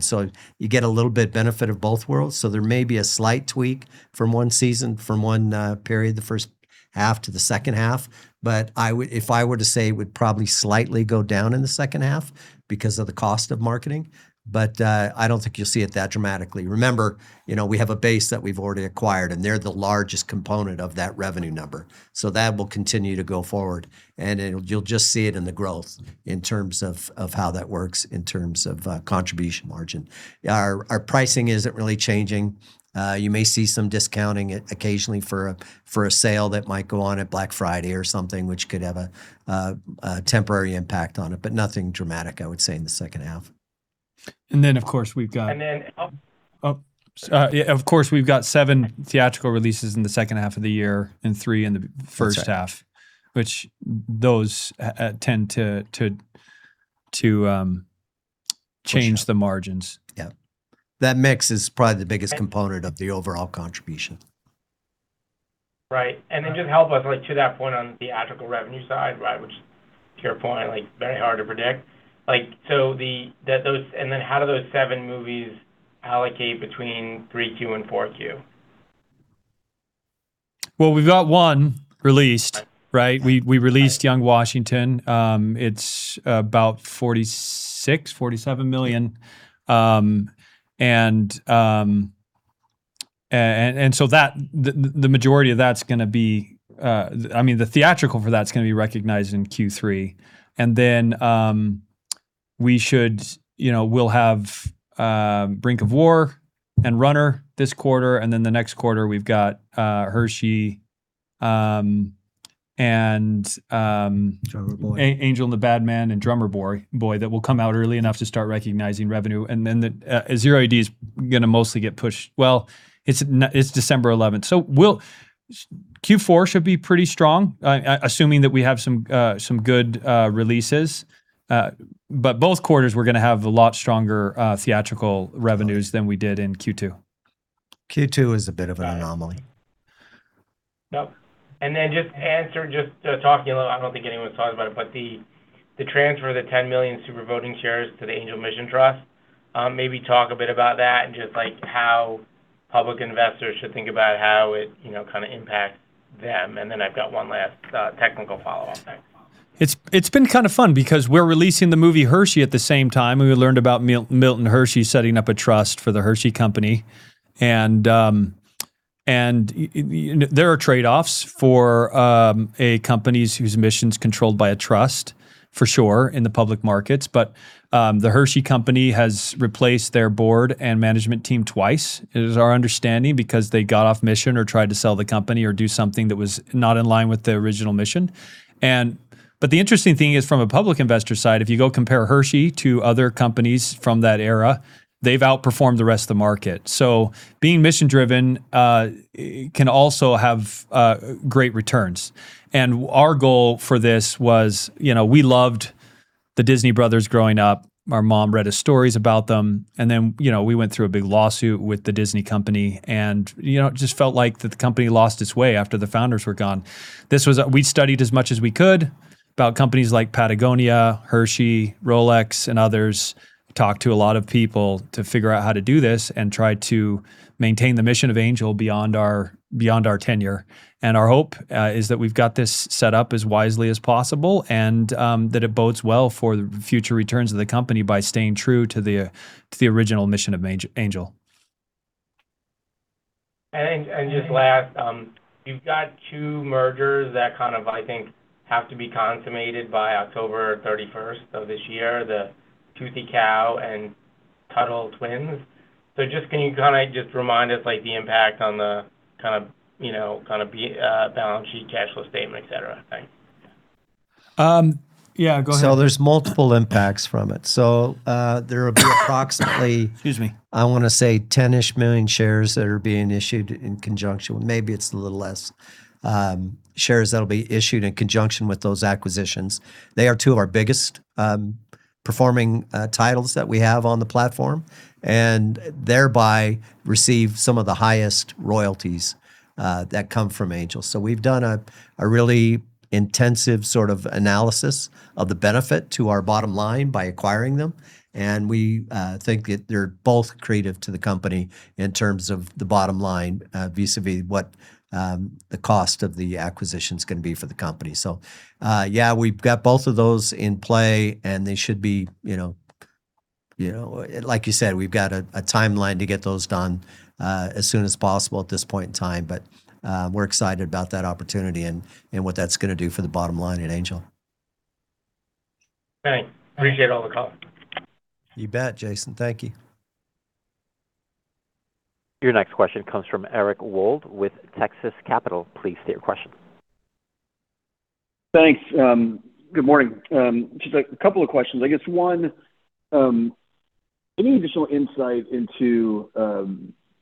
you get a little bit benefit of both worlds. There may be a slight tweak from one season, from one period, the first half to the second half. If I were to say, it would probably slightly go down in the second half because of the cost of marketing, but I don't think you'll see it that dramatically. Remember, we have a base that we've already acquired, and they're the largest component of that revenue number. That will continue to go forward, and you'll just see it in the growth in terms of how that works, in terms of contribution margin. Our pricing isn't really changing. You may see some discounting occasionally for a sale that might go on at Black Friday or something, which could have a temporary impact on it. Nothing dramatic, I would say, in the second half. And then, of course, we've got- And then- Oh. Yeah, of course, we've got seven theatrical releases in the second half of the year and three in the first half. That's right. Which those tend to change the margins. Yeah. That mix is probably the biggest component of the overall contribution. Right. Just help us to that point on theatrical revenue side, which to your point, very hard to predict. How do those seven movies allocate between 3Q and 4Q? Well, we've got one released, right? We released "Young Washington." It's about $46 million-$47 million. The theatrical for that's going to be recognized in Q3. We'll have "Brink of War" and "Runner" this quarter, the next quarter we've got "HERSHEY" and- Drummer Boy Angel and the Badman" and "Drummer Boy" that will come out early enough to start recognizing revenue. "Zero A.D." is going to mostly get pushed. Well, it's December 11th. Q4 should be pretty strong, assuming that we have some good releases. Both quarters we're going to have a lot stronger theatrical revenues than we did in Q2. Q2 was a bit of an anomaly. Yep. Just talking a little, I don't think anyone's talked about it, but the transfer of the 10 million super voting shares to the Angel Mission Trust. Maybe talk a bit about that and just how public investors should think about how it kind of impacts them. I've got one last technical follow-up. It's been kind of fun because we're releasing the movie "HERSHEY" at the same time. We learned about Milton Hershey setting up a trust for The Hershey Company. There are trade-offs for a company whose mission's controlled by a trust, for sure, in the public markets. The Hershey Company has replaced their board and management team twice, it is our understanding, because they got off mission or tried to sell the company or do something that was not in line with the original mission. The interesting thing is, from a public investor side, if you go compare Hershey to other companies from that era, they've outperformed the rest of the market. Being mission-driven can also have great returns. Our goal for this was, we loved the Disney brothers growing up. Our mom read us stories about them. We went through a big lawsuit with The Disney Company, and it just felt like the company lost its way after the founders were gone. We studied as much as we could about companies like Patagonia, Hershey, Rolex, and others. Talked to a lot of people to figure out how to do this and tried to maintain the mission of Angel beyond our tenure. Our hope is that we've got this set up as wisely as possible and that it bodes well for the future returns of the company by staying true to the original mission of Angel. Just last, you've got two mergers that kind of, I think, have to be consummated by October 31st of this year, the Toothy Cow and Tuttle Twins. Just can you kind of just remind us the impact on the kind of balance sheet, cash flow statement, et cetera, thanks. Yeah, go ahead. There's multiple impacts from it. There will be approximately- Excuse me I want to say 10-ish million shares that are being issued in conjunction. Maybe it's a little less shares that'll be issued in conjunction with those acquisitions. They are two of our biggest performing titles that we have on the platform, and thereby receive some of the highest royalties that come from Angel Studios. We've done a really intensive sort of analysis of the benefit to our bottom line by acquiring them, and we think that they're both creative to the company in terms of the bottom line, vis-a-vis what the cost of the acquisition's going to be for the company. Yeah, we've got both of those in play and they should be, like you said, we've got a timeline to get those done as soon as possible at this point in time. We're excited about that opportunity and what that's going to do for the bottom line at Angel Studios. Right. Appreciate all the call. You bet, Jason. Thank you. Your next question comes from Eric Wold with Texas Capital. Please state your question. Thanks. Good morning. Just a couple of questions. I guess one, any additional insight into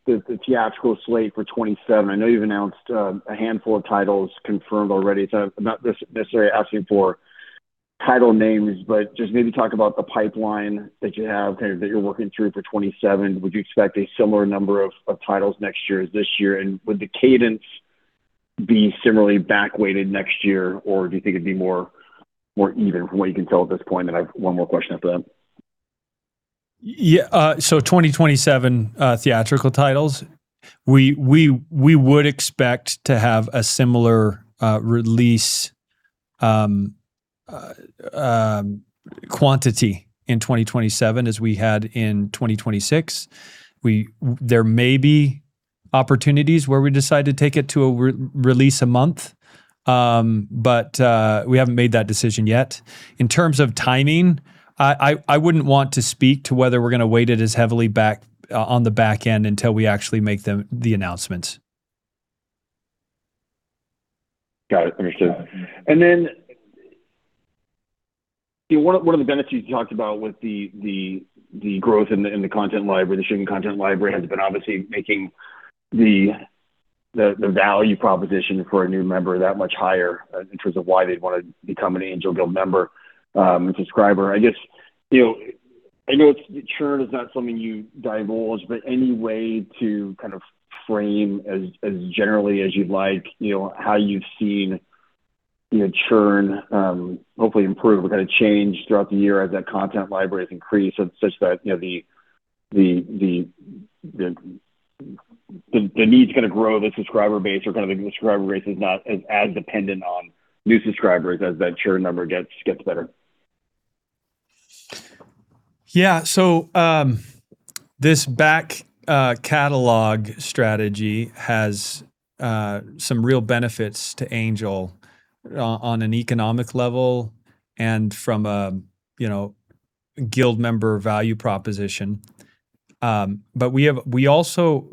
the theatrical slate for 2027? I know you've announced a handful of titles confirmed already. I'm not necessarily asking for title names, but just maybe talk about the pipeline that you have kind of that you're working through for 2027. Would you expect a similar number of titles next year as this year, and would the cadence be similarly back-weighted next year, or do you think it'd be more even from what you can tell at this point? I have one more question after that. Yeah. 2027 theatrical titles, we would expect to have a similar release quantity in 2027 as we had in 2026. There may be opportunities where we decide to take it to a release a month. We haven't made that decision yet. In terms of timing, I wouldn't want to speak to whether we're going to weight it as heavily back on the back end until we actually make the announcements. Got it. Understood. One of the benefits you talked about with the growth in the content library, the streaming content library, has been obviously making the value proposition for a new member that much higher, in terms of why they'd want to become an Angel Guild member and subscriber. I guess, I know churn is not something you divulge, but any way to kind of frame as generally as you'd like, how you've seen churn hopefully improve or kind of change throughout the year as that content library has increased such that the need to kind of grow the subscriber base or kind of the subscriber base is not as dependent on new subscribers as that churn number gets better? Yeah. This back catalog strategy has some real benefits to Angel Studios on an economic level and from an Angel Guild member value proposition. We also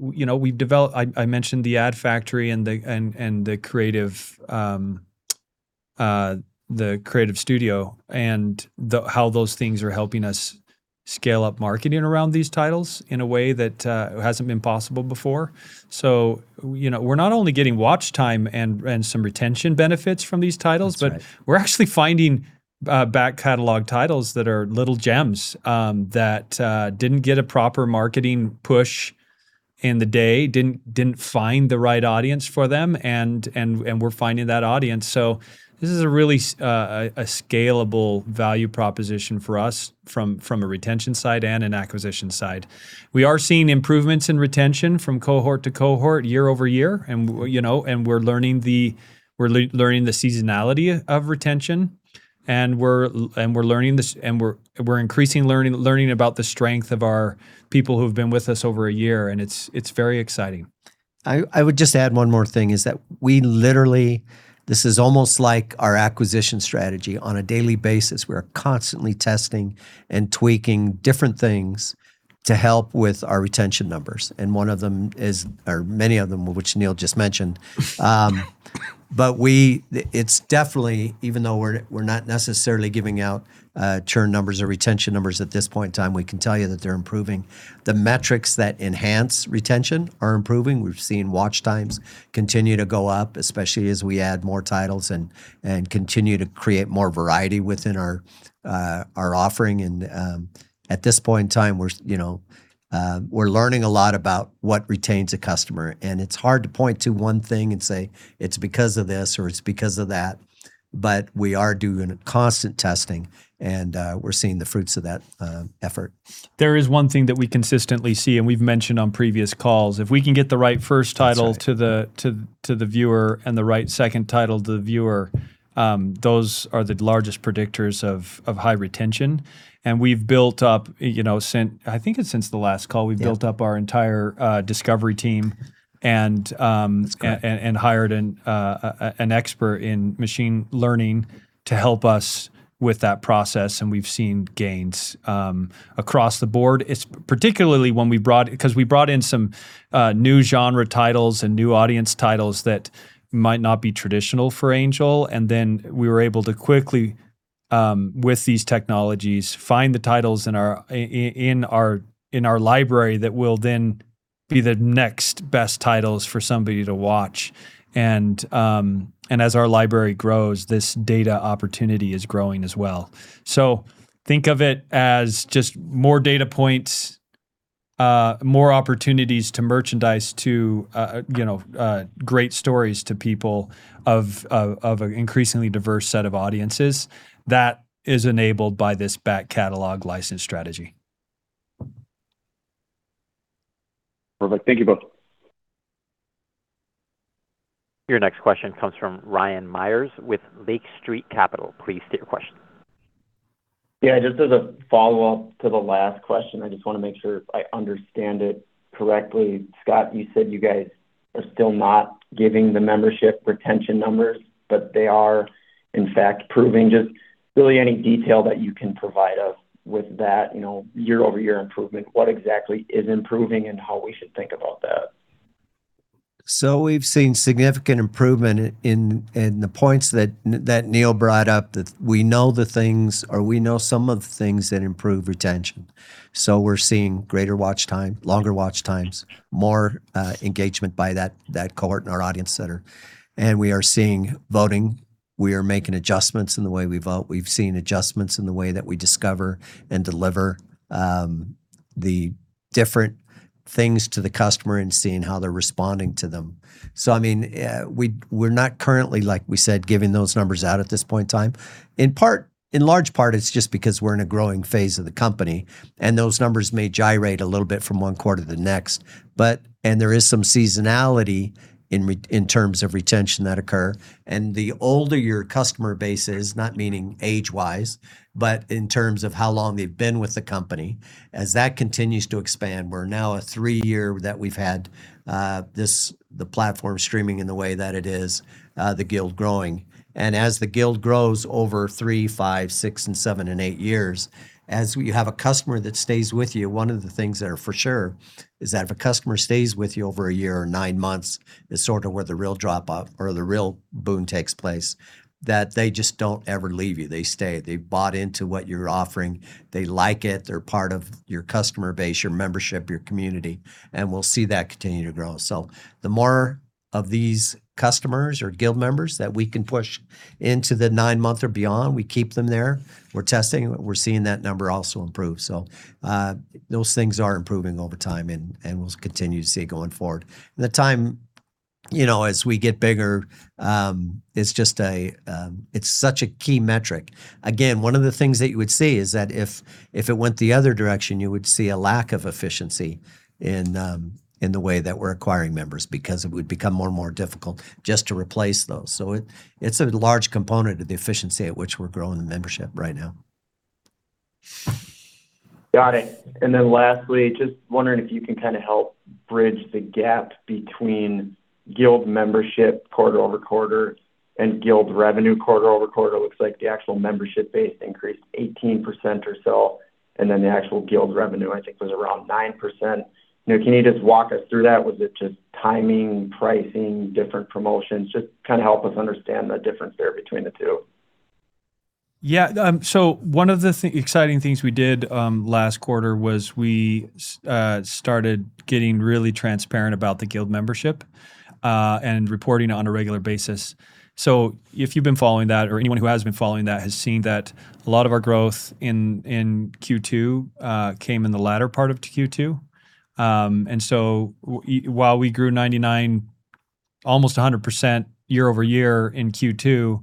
developed, I mentioned the Ad Factory and the Creative Studio and how those things are helping us scale up marketing around these titles in a way that hasn't been possible before. We're not only getting watch time and some retention benefits from these titles. That's right. We're actually finding back catalog titles that are little gems, that didn't get a proper marketing push in the day, didn't find the right audience for them, and we're finding that audience. This is really a scalable value proposition for us from a retention side and an acquisition side. We are seeing improvements in retention from cohort to cohort, year-over-year. We're learning the seasonality of retention and we're increasing learning about the strength of our people who've been with us over a year, and it's very exciting. I would just add one more thing is that we literally, this is almost like our acquisition strategy on a daily basis. We are constantly testing and tweaking different things to help with our retention numbers, and one of them is, or many of them, which Neal just mentioned. It's definitely, even though we're not necessarily giving out churn numbers or retention numbers at this point in time, we can tell you that they're improving. The metrics that enhance retention are improving. We've seen watch times continue to go up, especially as we add more titles and continue to create more variety within our offering. At this point in time, we're learning a lot about what retains a customer, and it's hard to point to one thing and say, "It's because of this," or, "It's because of that." We are doing constant testing and we're seeing the fruits of that effort. There is one thing that we consistently see, and we've mentioned on previous calls, if we can get the right first title. That's right. to the viewer and the right second title to the viewer, those are the largest predictors of high retention. We've built up, I think it's since the last call. Yeah We've built up our entire discovery team. That's great. Hired an expert in machine learning to help us with that process. We've seen gains across the board. It's particularly because we brought in some new genre titles and new audience titles that might not be traditional for Angel. Then we were able to quickly with these technologies find the titles in our library that will then be the next best titles for somebody to watch. As our library grows, this data opportunity is growing as well. Think of it as just more data points, more opportunities to merchandise great stories to people of an increasingly diverse set of audiences that is enabled by this back catalog license strategy. Perfect. Thank you both. Your next question comes from Ryan Meyers with Lake Street Capital. Please state your question. Yeah, just as a follow-up to the last question, I just want to make sure I understand it correctly. Scott Klossner, you said you guys are still not giving the membership retention numbers, but they are, in fact, proving just really any detail that you can provide us with that year-over-year improvement, what exactly is improving and how we should think about that. We've seen significant improvement in the points that Neal brought up, that we know some of the things that improve retention. We're seeing greater watch time, longer watch times, more engagement by that cohort in our audience center. We are seeing voting. We are making adjustments in the way we vote. We've seen adjustments in the way that we discover and deliver the different things to the customer and seeing how they're responding to them. We're not currently, like we said, giving those numbers out at this point in time. In large part, it's just because we're in a growing phase of the company, and those numbers may gyrate a little bit from one quarter to the next, and there is some seasonality in terms of retention that occur. The older your customer base is, not meaning age-wise, but in terms of how long they've been with the company, as that continues to expand, we're now at three-year that we've had the platform streaming in the way that it is, the Guild growing. As the Guild grows over three, five, six, and seven and eight years, as you have a customer that stays with you, one of the things that are for sure is that if a customer stays with you over a year or nine months, is sort of where the real drop off or the real boom takes place, that they just don't ever leave you. They stay. They bought into what you're offering. They like it. They're part of your customer base, your membership, your community, and we'll see that continue to grow. The more of these customers or Guild members that we can push into the 9-month or beyond, we keep them there. We're testing, we're seeing that number also improve. Those things are improving all the time and we'll continue to see it going forward. As we get bigger, it's such a key metric. Again, one of the things that you would see is that if it went the other direction, you would see a lack of efficiency in the way that we're acquiring members because it would become more and more difficult just to replace those. It's a large component of the efficiency at which we're growing the membership right now. Got it. Lastly, just wondering if you can kind of help bridge the gap between Guild membership quarter-over-quarter and Guild revenue quarter-over-quarter. Looks like the actual membership base increased 18% or so, the actual Guild revenue I think was around 9%. Can you just walk us through that? Was it just timing, pricing, different promotions? Just help us understand the difference there between the two. Yeah. One of the exciting things we did last quarter was we started getting really transparent about the Guild membership, and reporting on a regular basis. If you've been following that, or anyone who has been following that has seen that a lot of our growth in Q2 came in the latter part of Q2. While we grew 99, almost 100% year-over-year in Q2,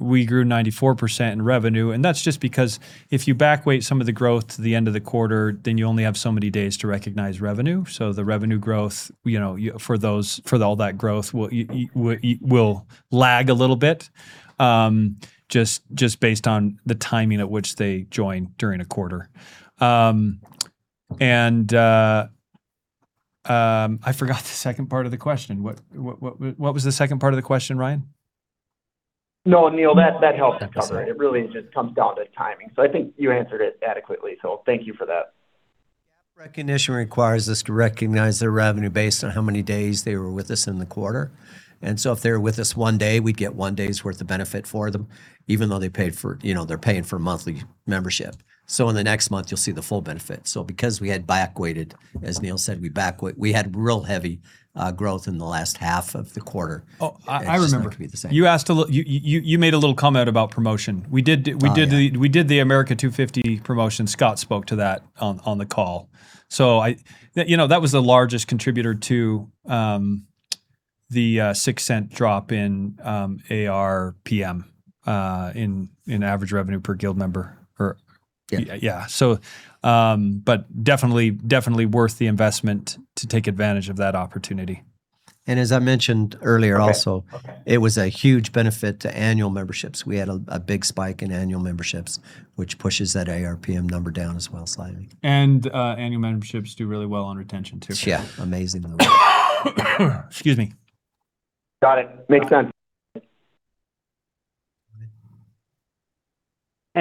we grew 94% in revenue. That's just because if you back weight some of the growth to the end of the quarter, you only have so many days to recognize revenue. The revenue growth for all that growth will lag a little bit, just based on the timing at which they join during a quarter. I forgot the second part of the question. What was the second part of the question, Ryan? No, Neal, that helps. It really just comes down to timing. I think you answered it adequately, thank you for that. GAAP recognition requires us to recognize their revenue based on how many days they were with us in the quarter. If they were with us one day, we'd get one day's worth of benefit for them, even though they're paying for monthly membership. In the next month, you'll see the full benefit. Because we had back weighted, as Neal said, we back weight. We had real heavy growth in the last half of the quarter. Oh, I remember. It's going to be the same. You made a little comment about promotion. Oh, yeah. We did the America 250 promotion. Scott spoke to that on the call. That was the largest contributor to the $0.06 drop in ARPM, in average revenue per Guild member. Yeah. Yeah. Definitely worth the investment to take advantage of that opportunity. As I mentioned earlier. Okay It was a huge benefit to annual memberships. We had a big spike in annual memberships, which pushes that ARPM number down as well, slightly. Annual memberships do really well on retention too. Yeah. Amazing. Excuse me. Got it. Makes sense.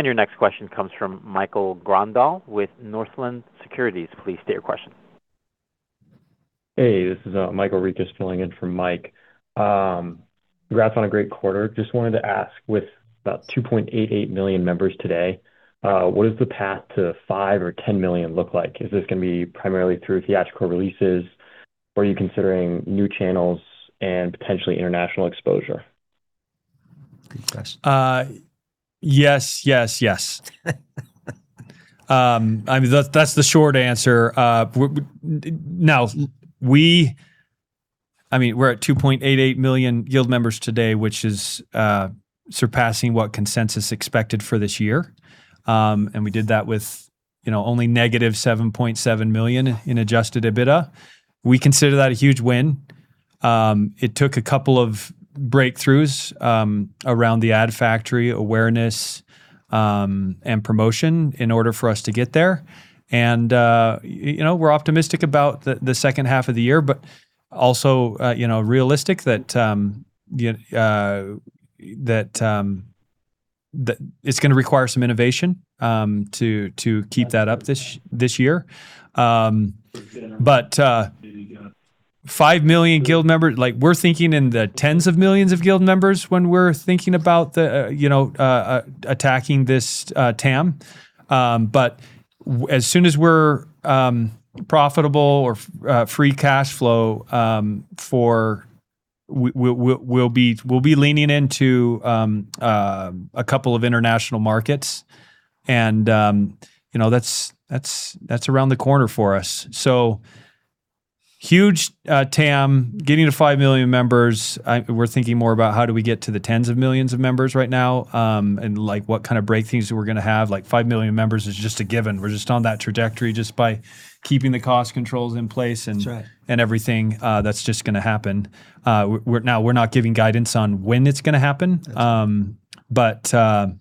Your next question comes from Michael Grondahl with Northland Securities. Please state your question. Hey, this is Michael Ricus filling in for Mike. Congrats on a great quarter. Just wanted to ask, with about 2.88 million members today, what does the path to five or 10 million look like? Is this going to be primarily through theatrical releases? Are you considering new channels and potentially international exposure? Good question. Yes. That's the short answer. We're at 2.88 million Guild members today, which is surpassing what consensus expected for this year. We did that with only negative $7.7 million in adjusted EBITDA. We consider that a huge win. It took a couple of breakthroughs around the Ad Factory awareness and promotion in order for us to get there. We're optimistic about the second half of the year, but also realistic that it's going to require some innovation to keep that up this year. Five million Guild members, we're thinking in the tens of millions of Guild members when we're thinking about attacking this TAM. As soon as we're profitable or free cash flow, we'll be leaning into a couple of international markets, and that's around the corner for us. Huge TAM. Getting to 5 million members, we're thinking more about how do we get to the tens of millions of members right now, and what kind of breakthroughs we're going to have. 5 million members is just a given. We're just on that trajectory just by keeping the cost controls in place- That's right. Everything. That's just going to happen. We're not giving guidance on when it's going to happen. That's right.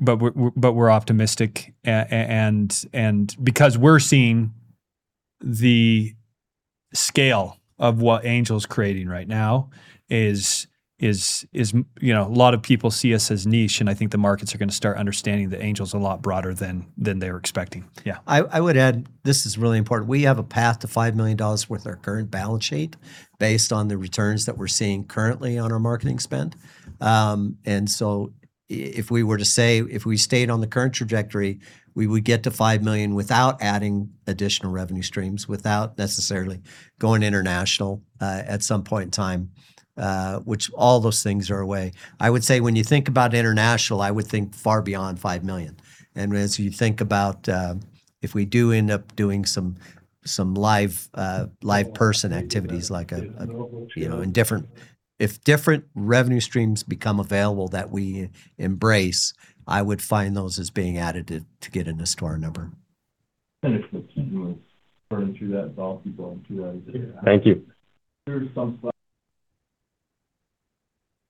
We're optimistic, because we're seeing the scale of what Angel's creating right now is a lot of people see us as niche, and I think the markets are going to start understanding that Angel's a lot broader than they were expecting. Yeah. I would add, this is really important. We have a path to $5 million with our current balance sheet based on the returns that we're seeing currently on our marketing spend. If we were to say if we stayed on the current trajectory, we would get to $5 million without adding additional revenue streams, without necessarily going international at some point in time, which all those things are a way. I would say when you think about international, I would think far beyond $5 million. As you think about if we do end up doing some live person activities like in different If different revenue streams become available that we embrace, I would find those as being added to get into our number. Thank you.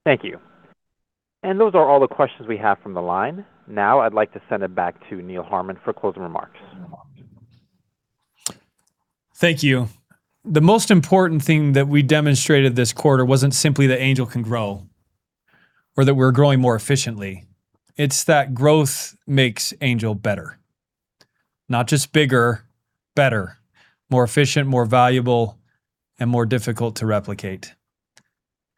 Thank you. Those are all the questions we have from the line. Now I'd like to send it back to Neal Harmon for closing remarks. Thank you. The most important thing that we demonstrated this quarter wasn't simply that Angel can grow or that we're growing more efficiently. It's that growth makes Angel better. Not just bigger, better, more efficient, more valuable, and more difficult to replicate.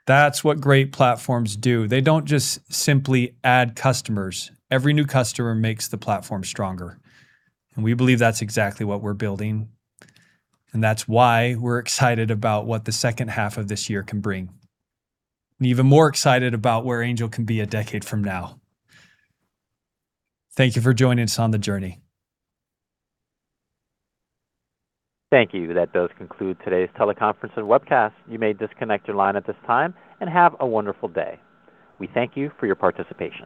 That's what great platforms do. They don't just simply add customers. Every new customer makes the platform stronger, and we believe that's exactly what we're building, and that's why we're excited about what the second half of this year can bring, and even more excited about where Angel can be a decade from now. Thank you for joining us on the journey. Thank you. That does conclude today's teleconference and webcast. You may disconnect your line at this time and have a wonderful day. We thank you for your participation